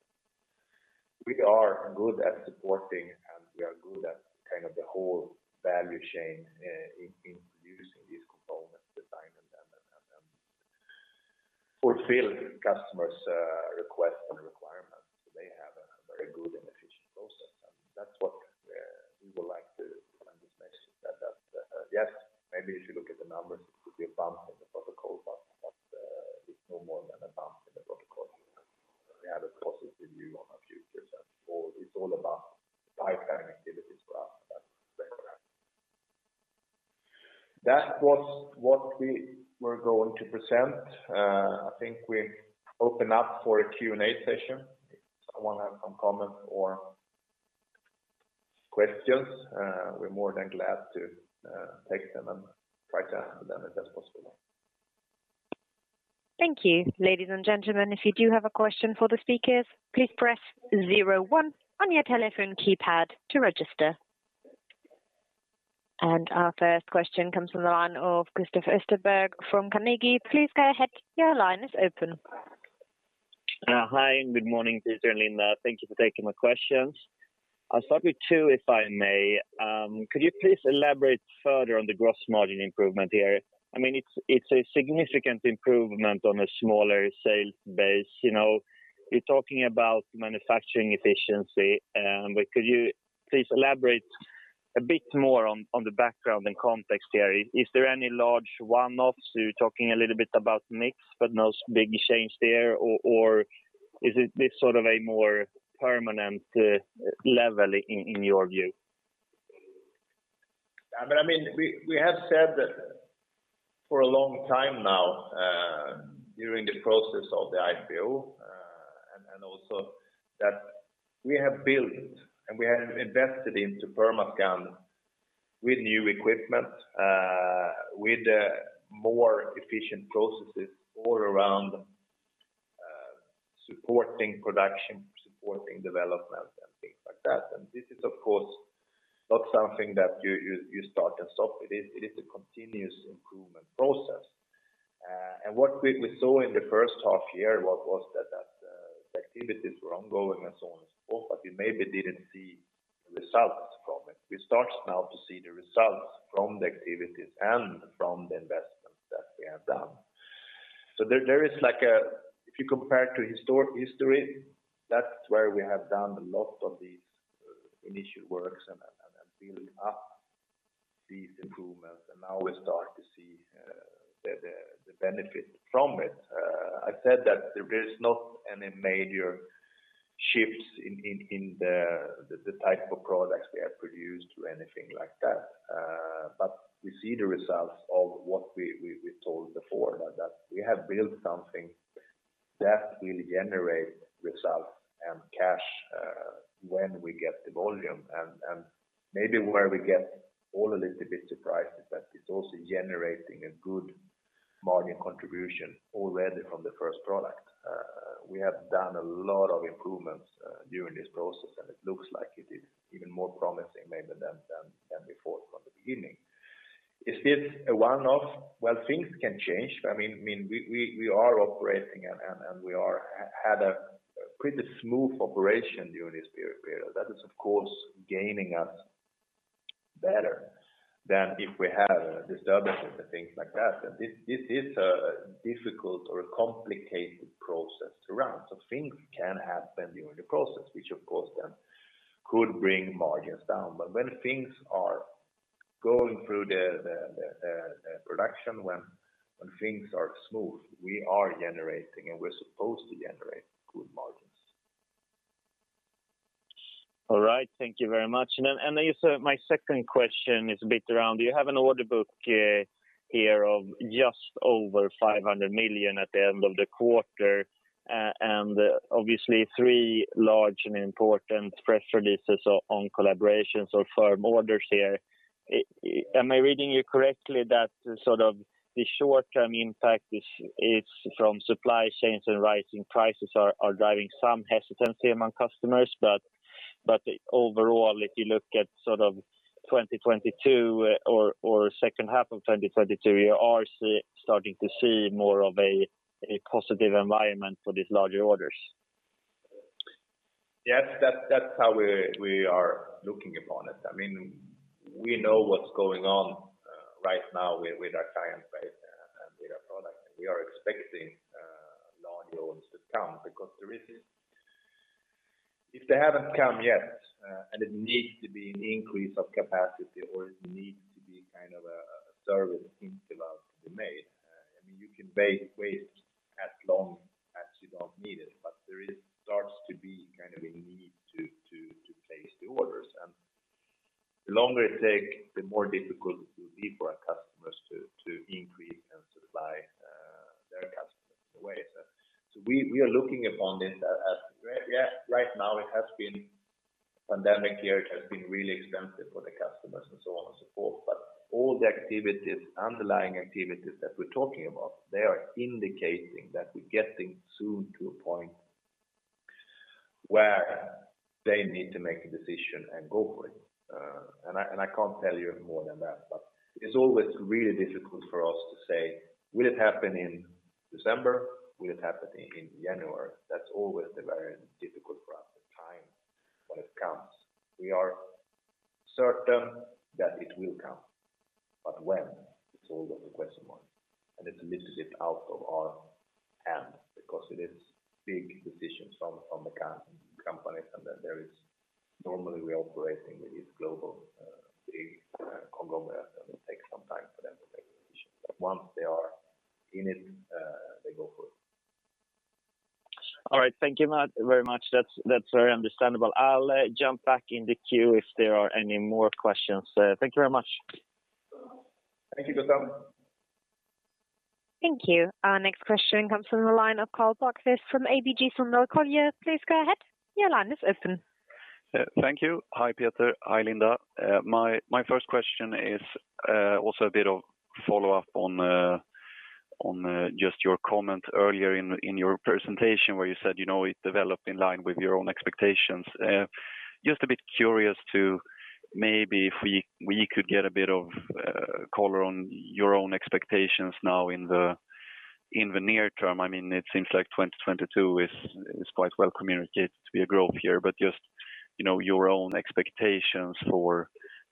we are good at supporting, and we are good at kind of the whole value chain in producing these components, designing them, and fulfill customers' requests and requirements. They have a very good and efficient process, and that's what we would like to kind of discuss that yes, maybe if you look at the numbers, it could be a bump in the road, but it's no more than a bump in the road. We have a positive view on our future, so for... It's all about pipeline activities for us that play around. That was what we were going to present. I think we open up for a Q&A session. If someone have some comments or questions, we're more than glad to take them and try to answer them if that's possible. Thank you. Ladies and gentlemen, if you do have a question for the speakers, please press zero, one on your telephone keypad to register. Our first question comes from the line of Gustav Österberg from Carnegie. Please go ahead. Your line is open. Hi, and good morning Peter, and Linda. Thank you for taking my questions. I'll start with two, if I may. Could you please elaborate further on the gross margin improvement here? I mean, it's a significant improvement on a smaller sales base. You know, you're talking about manufacturing efficiency, but could you please elaborate a bit more on the background and context here? Is there any large one-offs? You're talking a little bit about mix, but no big change there or is it this sort of a more permanent level in your view? I mean, we have said that for a long time now, during the process of the IPO, and also that we have built and we have invested into Permascand with new equipment, with more efficient processes all around, supporting production, supporting development and things like that. This is of course not something that you start and stop. It is a continuous improvement process. What we saw in the first half year was that the activities were ongoing and so on and so forth, but we maybe didn't see the results from it. We start now to see the results from the activities and from the investments that we have done. There is like a... If you compare it to historic history, that's where we have done a lot of these initial works and building up these improvements and now we start to see the benefit from it. I said that there is not any major shifts in the type of products we have produced or anything like that. We see the results of what we told before that we have built something that will generate results and cash when we get the volume. Maybe we're all a little bit surprised that it's also generating a good margin contribution already from the first product. We have done a lot of improvements during this process, and it looks like it is even more promising maybe than before from the beginning. Is it a one-off? Well, things can change. I mean, we are operating and we had a pretty smooth operation during this period where that is, of course, gaining us better than if we had disturbances and things like that. This is a difficult or a complicated process to run. Things can happen during the process, which of course then could bring margins down. When things are going through the production, when things are smooth, we are generating and we're supposed to generate good margins. All right. Thank you very much. Then also my second question is a bit around you have an order book here of just over 500 million at the end of the quarter, and obviously three large and important press releases on collaborations or firm orders here. Am I reading you correctly that sort of the short-term impact is from supply chains and rising prices are driving some hesitancy among customers, but overall, if you look at sort of 2022 or second half of 2022, you are starting to see more of a positive environment for these larger orders? Yes. That's how we are looking upon it. I mean, we know what's going on right now with our client base and with our product. We are expecting large orders to come because if they haven't come yet, and it needs to be an increase of capacity or it needs to be kind of a service in July to be made. I mean, you can wait as long as you don't need it, but there starts to be kind of a need to place the orders. The longer it take, the more difficult it will be for our customers to increase and supply their customers in a way. We are looking upon this as right now the pandemic period has been really expensive for the customers and so on and so forth. All the activities, underlying activities that we're talking about, they are indicating that we're getting soon to a point where they need to make a decision and go for it. I can't tell you more than that, but it's always really difficult for us to say, will it happen in December? Will it happen in January? That's always very difficult for us, the time when it comes. We are certain that it will come, but when it's always a question mark, and it's literally out of our hand because it is big decisions from the companies. There is normally we are operating with these global, big, conglomerates, and it takes some time for them to make a decision. Once they are in it, they go for it. All right. Thank you very much. That's very understandable. I'll jump back in the queue if there are any more questions. Thank you very much. Thank you, Gustav. Thank you. Our next question comes from the line of Karl Bokvist from ABG Sundal Collier. Please go ahead. Your line is open. Yeah. Thank you. Hi, Peter. Hi, Linda. My first question is also a bit of follow-up on just your comment earlier in your presentation where you said, you know, it developed in line with your own expectations. Just a bit curious to maybe if we could get a bit of color on your own expectations now in the near term. I mean, it seems like 2022 is quite well communicated to be a growth year. Just, you know, your own expectations for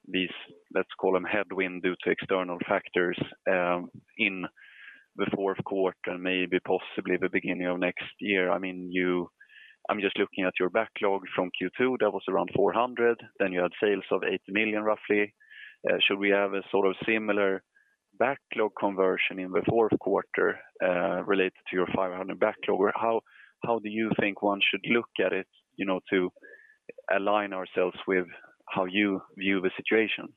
these, let's call them headwind due to external factors in the Q4, maybe possibly the beginning of next year. I mean, I'm just looking at your backlog from Q2. That was around 400, then you had sales of 80 million, roughly. Should we have a sort of similar backlog conversion in the Q4 related to your 500 backlog? Or how do you think one should look at it, you know, to align ourselves with how you view the situation?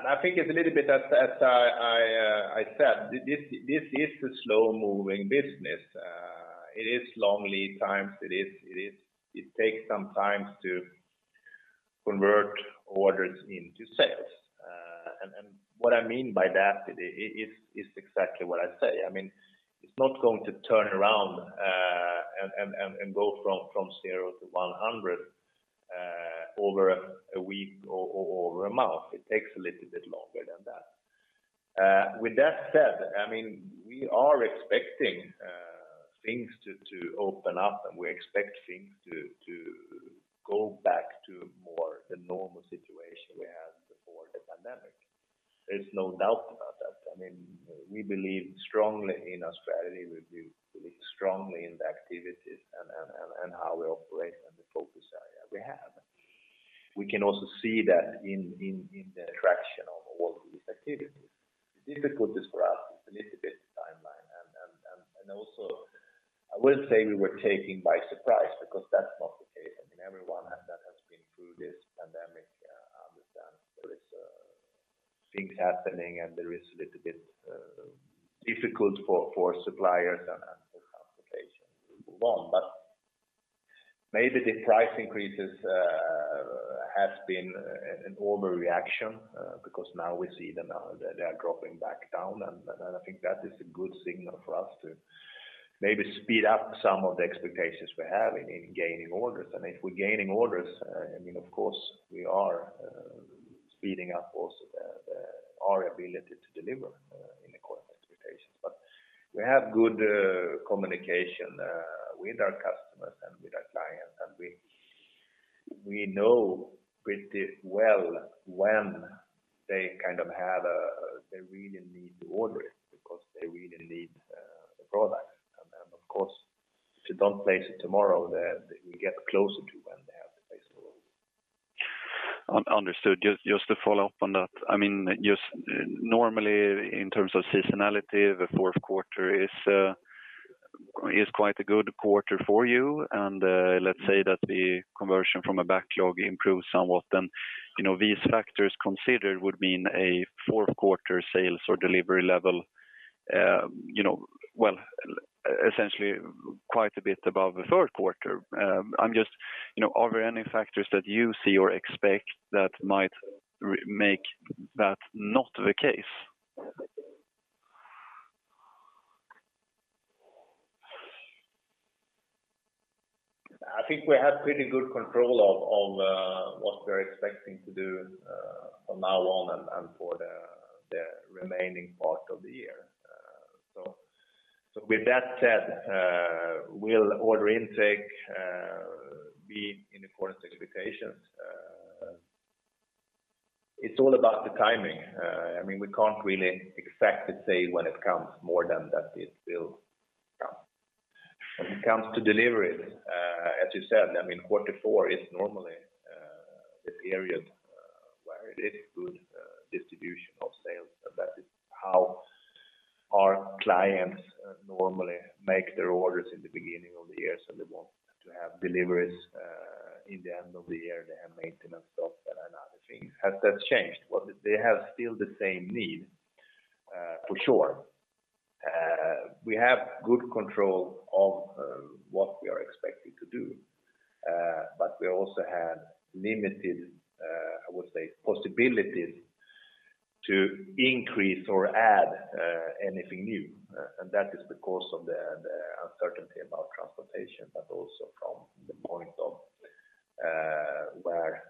I think it's a little bit as I said, this is a slow-moving business. It is long lead times. It takes some time to convert orders into sales. What I mean by that, it is exactly what I say. I mean, it's not going to turn around and go from zero-100 over a week or a month. It takes a little bit longer than that. With that said, I mean, we are expecting things to open up, and we expect things to go back to more to the normal situation we had pre-pandemic. There's no doubt about that. I mean, we believe strongly in our strategy. We believe strongly in the activities and how we operate and the focus area we have. We can also see that in the traction of all these activities. The difficulties for us is a little bit timeline and also I wouldn't say we were taken by surprise because that's not the case. I mean, everyone that has been through this pandemic understands there is things happening, and there is a little bit difficult for suppliers and for transportation to move on. Maybe the price increases has been an overreaction because now we see them, they are dropping back down. I think that is a good signal for us to maybe speed up some of the expectations we have in gaining orders. If we're gaining orders, I mean, of course we are, speeding up also our ability to deliver in accordance to expectations. We have good communication with our customers and with our clients, and we know pretty well when they kind of really need to order it because they really need the product. Then of course, if you don't place it tomorrow, then we get closer to when they have to place the order. Understood. Just to follow up on that. I mean, just normally in terms of seasonality, the Q4 is quite a good quarter for you. Let's say that the conversion from a backlog improves somewhat, then, you know, these factors considered would mean a Q4 sales or delivery level, you know, well, essentially quite a bit above the Q3. I'm just, you know, are there any factors that you see or expect that might make that not the case? I think we have pretty good control on what we're expecting to do from now on and for the remaining part of the year. With that said, will order intake be in accordance to expectations? It's all about the timing. I mean, we can't really expect to say when it comes more than that it will come. When it comes to delivery, as you said, I mean, Q4 is normally the period where it is good distribution of sales, and that is how our clients normally make their orders in the beginning of the year. They want to have deliveries in the end of the year. They have maintenance stock and other things. Has that changed? Well, they have still the same need for sure. We have good control of what we are expecting to do. We also have limited, I would say, possibilities to increase or add anything new. That is because of the uncertainty about transportation, but also from the point of view where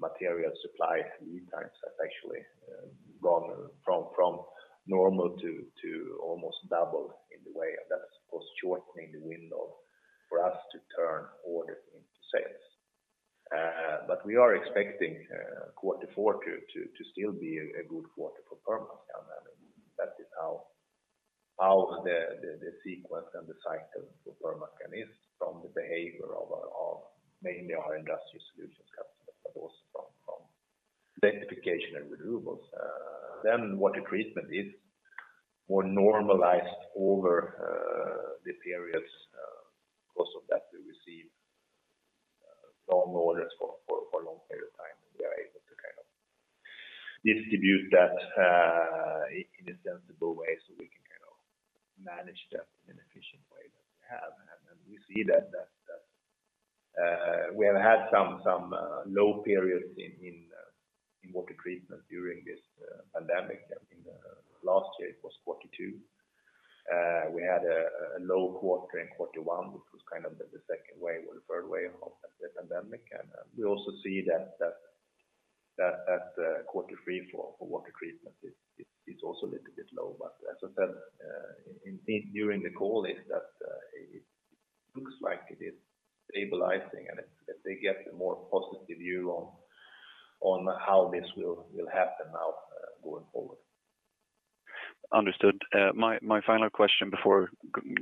material supply lead times has actually gone from normal to almost double in the way. That is, of course, shortening the window for us to turn orders into sales. We are expecting Q4 to still be a good quarter for Permascand. I mean, that is how the sequence and the cycle for Permascand is from the behavior of mainly our Industrial Solutions customers, but also from electrification and renewables. Water treatment is more normalized over the periods. Because of that, we receive long orders for long period of time, and we are able to kind of distribute that in a sensible way so we can kind of manage that in efficient way that we have. We see that we have had some low periods in water treatment during this pandemic. I mean, last year it was Q2. We had a low quarter in Q1, which was kind of the second wave or the third wave of the pandemic. We also see that Q3 for water treatment is also a little bit low. As I said, indeed during the call, is that it looks like it is stabilizing and if they get a more positive view on how this will happen now, going forward. Understood. My final question before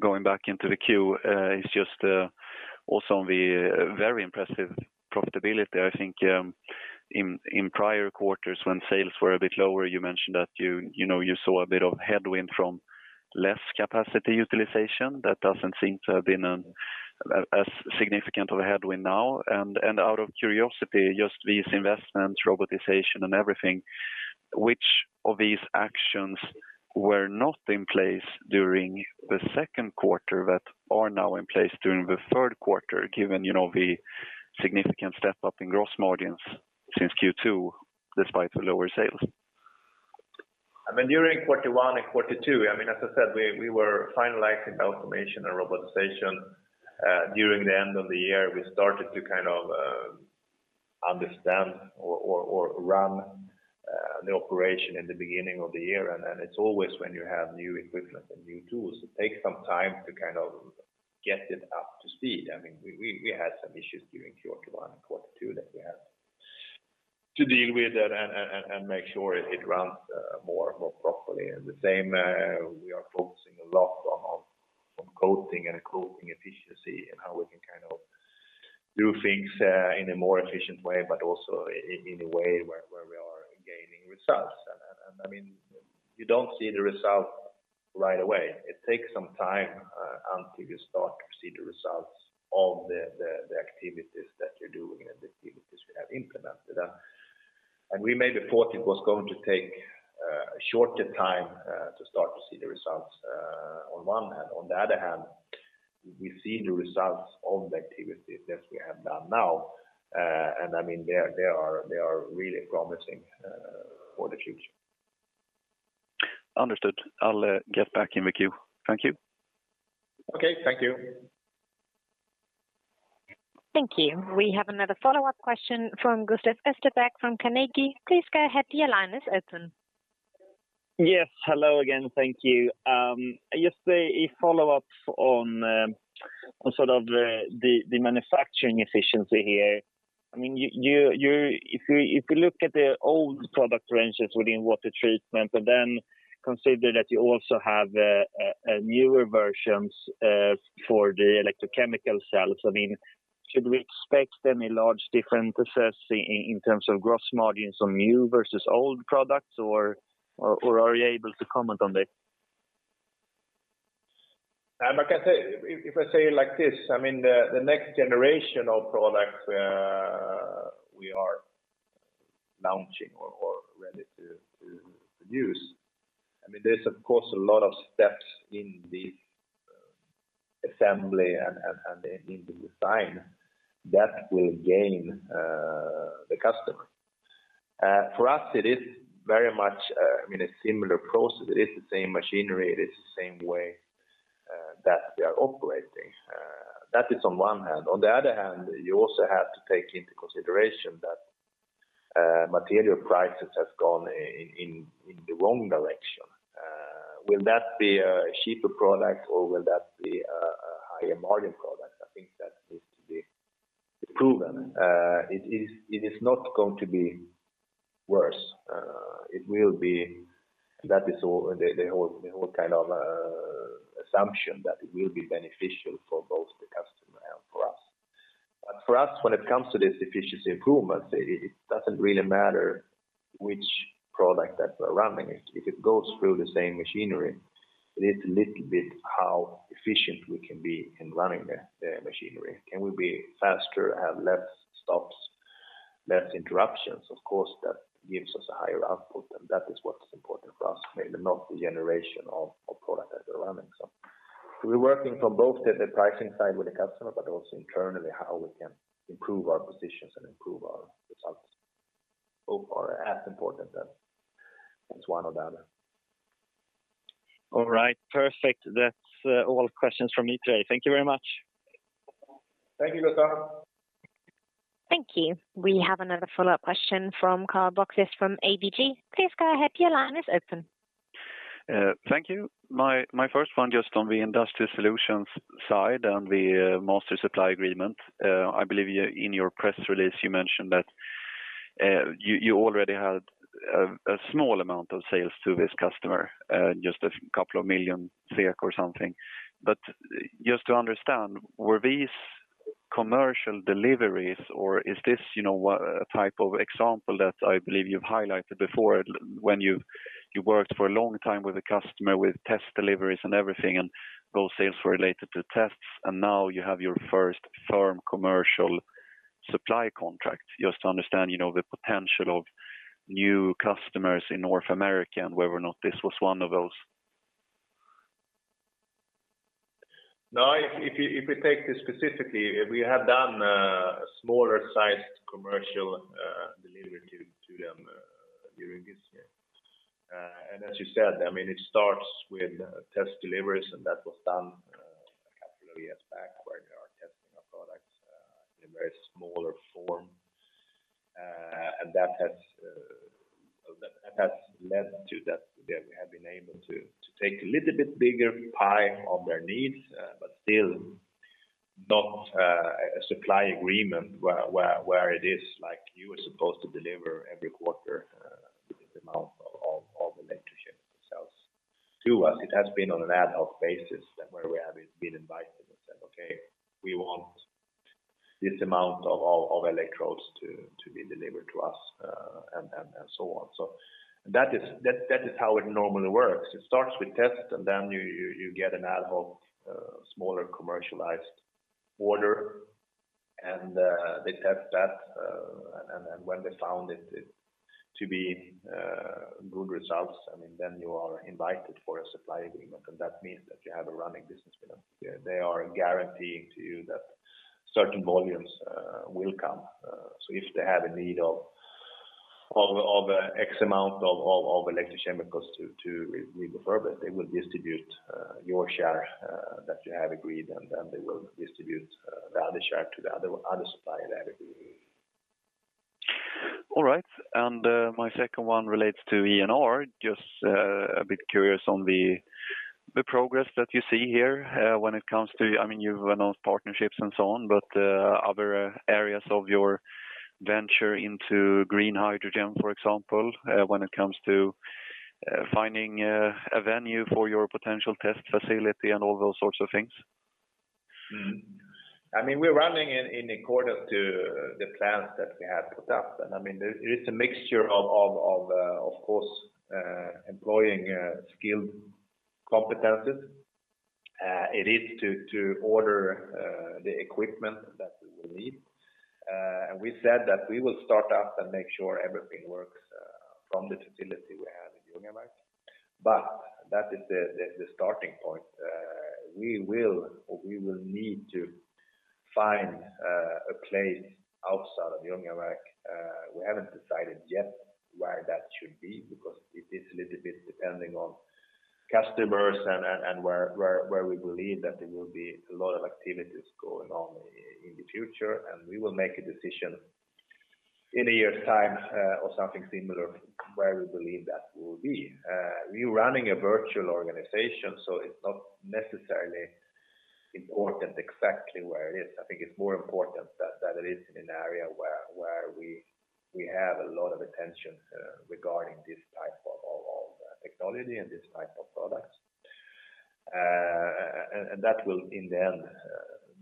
going back into the queue is just also on the very impressive profitability. I think in prior quarters when sales were a bit lower, you mentioned that you know you saw a bit of headwind from less capacity utilization. That doesn't seem to have been as significant of a headwind now. Out of curiosity, just these investments, robotization and everything, which of these actions were not in place during the Q2 that are now in place during the Q3, given you know the significant step up in gross margins since Q2 despite the lower sales? I mean, during Q1 and Q2, I mean, as I said, we were finalizing automation and robotization. During the end of the year, we started to kind of understand or run the operation in the beginning of the year. It's always when you have new equipment and new tools, it takes some time to kind of get it up to speed. I mean, we had some issues during Q1 and Q2 that we have to deal with and make sure it runs more properly. The same, we are focusing a lot on coating and coating efficiency and how we can kind of do things in a more efficient way, but also in a way where we are gaining results. I mean, you don't see the results right away. It takes some time until you start to see the results of the activities that you're doing and the activities you have implemented. We maybe thought it was going to take a shorter time to start to see the results on one hand. On the other hand, we see the results of the activities that we have done now. I mean, they are really promising for the future. Understood. I'll get back in with you. Thank you. Okay. Thank you. Thank you. We have another follow-up question from Gustav Österberg from Carnegie. Please go ahead, your line is open. Yes. Hello again. Thank you. Just a follow-up on sort of the manufacturing efficiency here. I mean, if you look at the old product ranges within water treatment, but then consider that you also have a newer versions for the electrochemical cells. I mean, should we expect any large differences in terms of gross margins on new versus old products, or are you able to comment on this? I can say, if I say it like this, I mean the next generation of products we are launching or ready to use, I mean, there's of course a lot of steps in the assembly and in the design that will gain the customer. For us it is very much I mean a similar process. It is the same machinery, it is the same way that we are operating. That is on one hand. On the other hand, you also have to take into consideration that material prices have gone in the wrong direction. Will that be a cheaper product or will that be a higher margin product? I think that needs to be proven. It is not going to be worse. It will be that is all the whole kind of assumption that it will be beneficial for both the customer and for us. For us, when it comes to this efficiency improvements, it doesn't really matter which product that we're running. If it goes through the same machinery, it is a little bit how efficient we can be in running the machinery. Can we be faster, have less stops, less interruptions? Of course, that gives us a higher output, and that is what is important for us, maybe not the generation of product that we're running. We're working from both the pricing side with the customer, but also internally how we can improve our positions and improve our results both are as important as one or the other. All right. Perfect. That's all questions from me today. Thank you very much. Thank you, Gustav. Thank you. We have another follow-up question from Karl Bokvist from ABG. Please go ahead, your line is open. Thank you. My first one, just on the Industrial Solutions side and the master supply agreement, I believe you, in your press release, you mentioned that you already had a small amount of sales to this customer, just a couple million SEK or something. Just to understand, were these commercial deliveries or is this, you know, a type of example that I believe you've highlighted before when you've worked for a long time with a customer with test deliveries and everything, and those sales were related to tests, and now you have your first firm commercial supply contract, just to understand, you know, the potential of new customers in North America and whether or not this was one of those. No, if we take this specifically, we have done a smaller sized commercial delivery to them during this year. As you said, I mean it starts with test deliveries, and that was done a couple of years back where they are testing our products in a very small form. That has led to that we have been able to take a little bit bigger pie of their needs, but still not a supply agreement where it is like you are supposed to deliver every quarter this amount of electrochem cells to us. It has been on an ad hoc basis that where we have been invited and said, "Okay, we want this amount of electrodes to be delivered to us," and so on. That is how it normally works. It starts with tests and then you get an ad hoc smaller commercialized order and they test that. When they found it to be good results, I mean, then you are invited for a supply agreement and that means that you have a running business with them. They are guaranteeing to you that certain volumes will come. If they have a need of X amount of electrochemicals to refurbish, they will distribute your share that you have agreed, and then they will distribute the other share to the other supplier that they- All right. My second one relates to E&R. Just a bit curious on the progress that you see here, when it comes to. I mean, you've announced partnerships and so on, but other areas of your venture into green hydrogen, for example, when it comes to finding a venue for your potential test facility and all those sorts of things. I mean, we're running in accordance to the plans that we have put up. I mean, there is a mixture of course employing skilled competencies. It is to order the equipment that we will need. We said that we will start up and make sure everything works from the facility we have in Ljungaverk. That is the starting point. We will need to find a place outside of Ljungaverk. We haven't decided yet where that should be because it is a little bit depending on customers and where we believe that there will be a lot of activities going on in the future. We will make a decision in a year's time, or something similar where we believe that will be. We're running a virtual organization, so it's not necessarily important exactly where it is. I think it's more important that it is in an area where we have a lot of attention regarding this type of technology and this type of products. That will in the end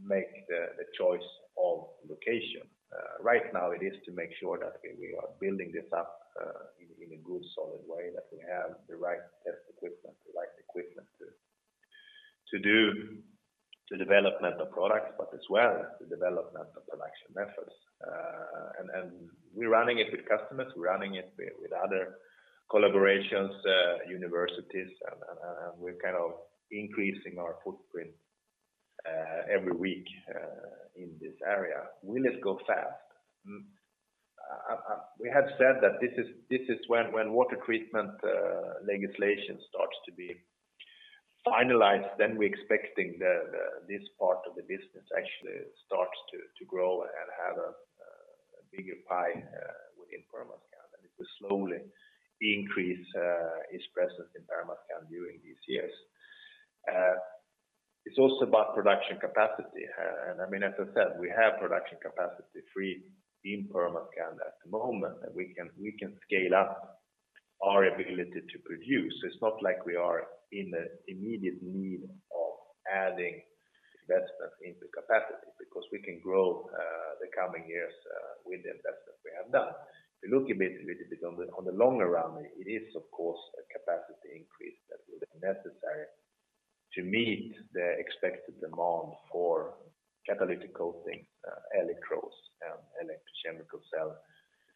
make the choice of location. Right now it is to make sure that we are building this up in a good solid way, that we have the right test equipment, the right equipment to do the development of products, but as well the development of production methods. We're running it with customers, with other collaborations, universities and we're kind of increasing our footprint every week in this area. We let it go fast. We have said that this is when water treatment legislation starts to be finalized, then we're expecting this part of the business actually starts to grow and have a bigger pie within Permascand. It will slowly increase its presence in Permascand during these years. It's also about production capacity. I mean, as I said, we have production capacity free in Permascand at the moment, and we can scale up our ability to produce. It's not like we are in the immediate need of adding investment into capacity because we can grow the coming years with the investment we have done. We look a bit little bit on the longer run. It is of course a capacity increase that will be necessary to meet the expected demand for catalytic coating electrodes and electrochemical cell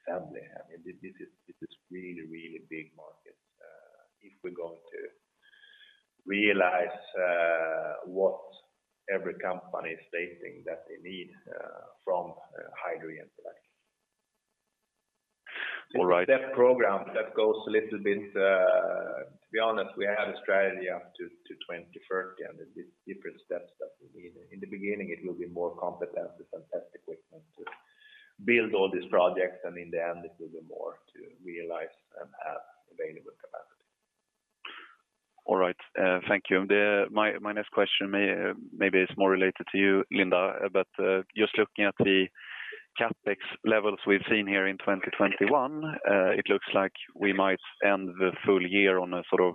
assembly. I mean, this is really big market if we're going to realize what every company is stating that they need from hydrogen production. All right. That program that goes a little bit, to be honest, we have a strategy up to 2030, and the different steps that we need. In the beginning, it will be more competencies and test equipment to build all these projects, and in the end it will be more to realize and have available capacity. All right. Thank you. My next question maybe is more related to you, Linda. Just looking at the CapEx levels we've seen here in 2021, it looks like we might end the full year on a sort of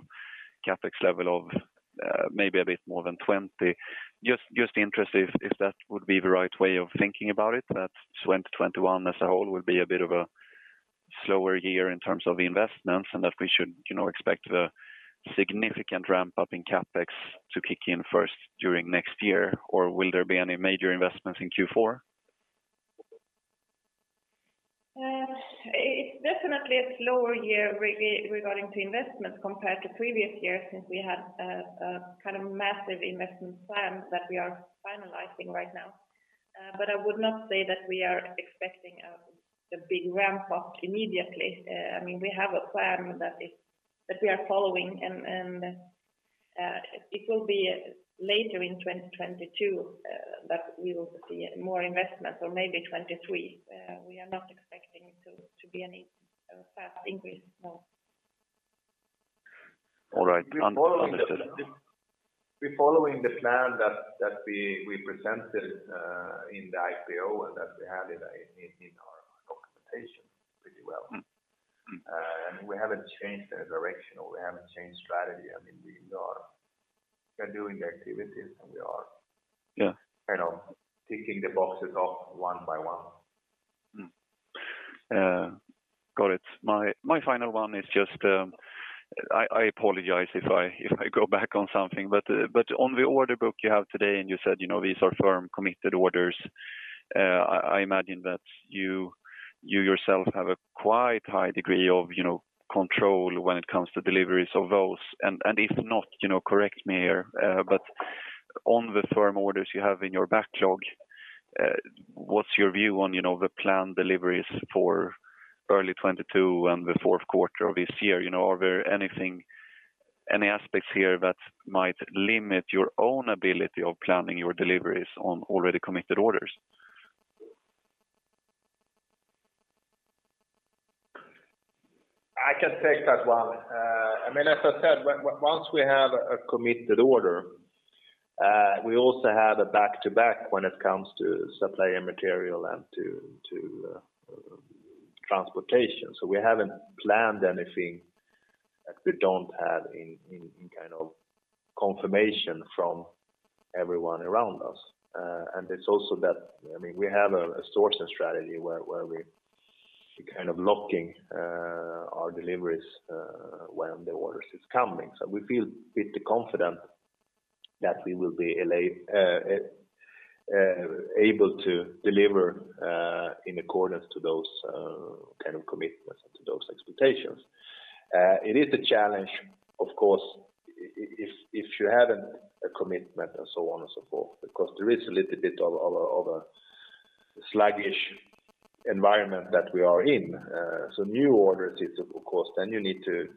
CapEx level of maybe a bit more than 20 million. Just interested if that would be the right way of thinking about it, that 2021 as a whole will be a bit of a slower year in terms of investments and that we should, you know, expect the significant ramp up in CapEx to kick in first during next year. Or will there be any major investments in Q4? It's definitely a slower year regarding investments compared to previous years, since we had a kind of massive investment plan that we are finalizing right now. I would not say that we are expecting the big ramp up immediately. I mean, we have a plan that we are following and it will be later in 2022 that we will see more investments or maybe 2023. We are not expecting to see any fast increase, no. All right. We're following the- Understood... we're following the plan that we presented in the IPO and that we have in our documentation pretty well. Mm-hmm. We haven't changed the direction or we haven't changed strategy. I mean, we're doing the activities and we are- Yeah kind of ticking the boxes off one by one. Got it. My final one is just, I apologize if I go back on something, but on the order book you have today, and you said, you know, these are firm committed orders, I imagine that you yourself have a quite high degree of, you know, control when it comes to deliveries of those. If not, you know, correct me here. But on the firm orders you have in your backlog, what's your view on, you know, the planned deliveries for early 2022 and the Q4 of this year? You know, are there any aspects here that might limit your own ability of planning your deliveries on already committed orders? I can take that one. I mean, as I said, once we have a committed order, we also have a back-to-back when it comes to supplier material and to transportation. We haven't planned anything that we don't have in kind of confirmation from everyone around us. It's also that, I mean, we have a sourcing strategy where we're kind of locking our deliveries when the orders is coming. We feel a bit confident that we will be able to deliver in accordance to those kind of commitments, to those expectations. It is a challenge, of course, if you haven't a commitment and so on and so forth, because there is a little bit of a sluggish environment that we are in. New orders, of course, then you need to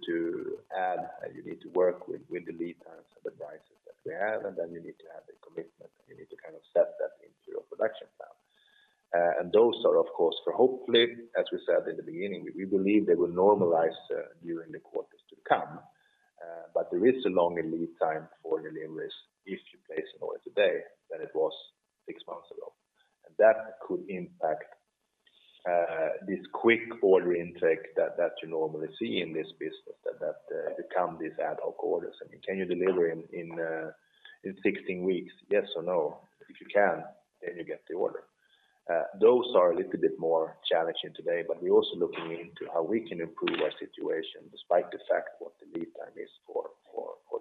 add, you need to work with the lead times and the prices that we have, and then you need to have the commitment, and you need to kind of set that into your production plan. Those are, of course, for hopefully, as we said in the beginning, we believe they will normalize during the quarters to come. There is a longer lead time for deliveries if you place an order today than it was six months ago. That could impact this quick order intake that become these ad hoc orders. I mean, can you deliver in 16 weeks, yes or no? If you can, then you get the order. Those are a little bit more challenging today, but we're also looking into how we can improve our situation despite the fact that the lead time is for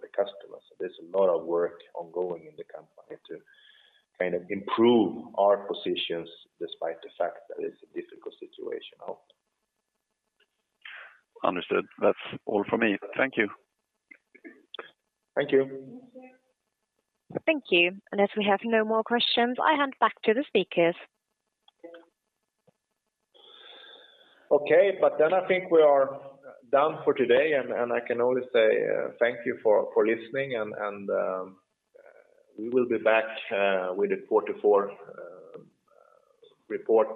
the customers. There's a lot of work ongoing in the company to kind of improve our positions despite the fact that it's a difficult situation out. Understood. That's all for me. Thank you. Thank you. Thank you. As we have no more questions, I hand back to the speakers. Okay. I think we are done for today, and I can only say thank you for listening. We will be back with the 44 report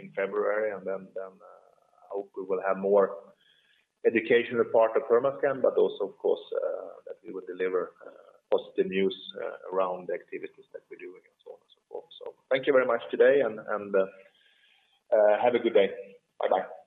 in February, and then I hope we will have more educational part of Permascand, but also, of course, that we will deliver positive news around the activities that we're doing and so on and so forth. Thank you very much today and have a good day. Bye-bye.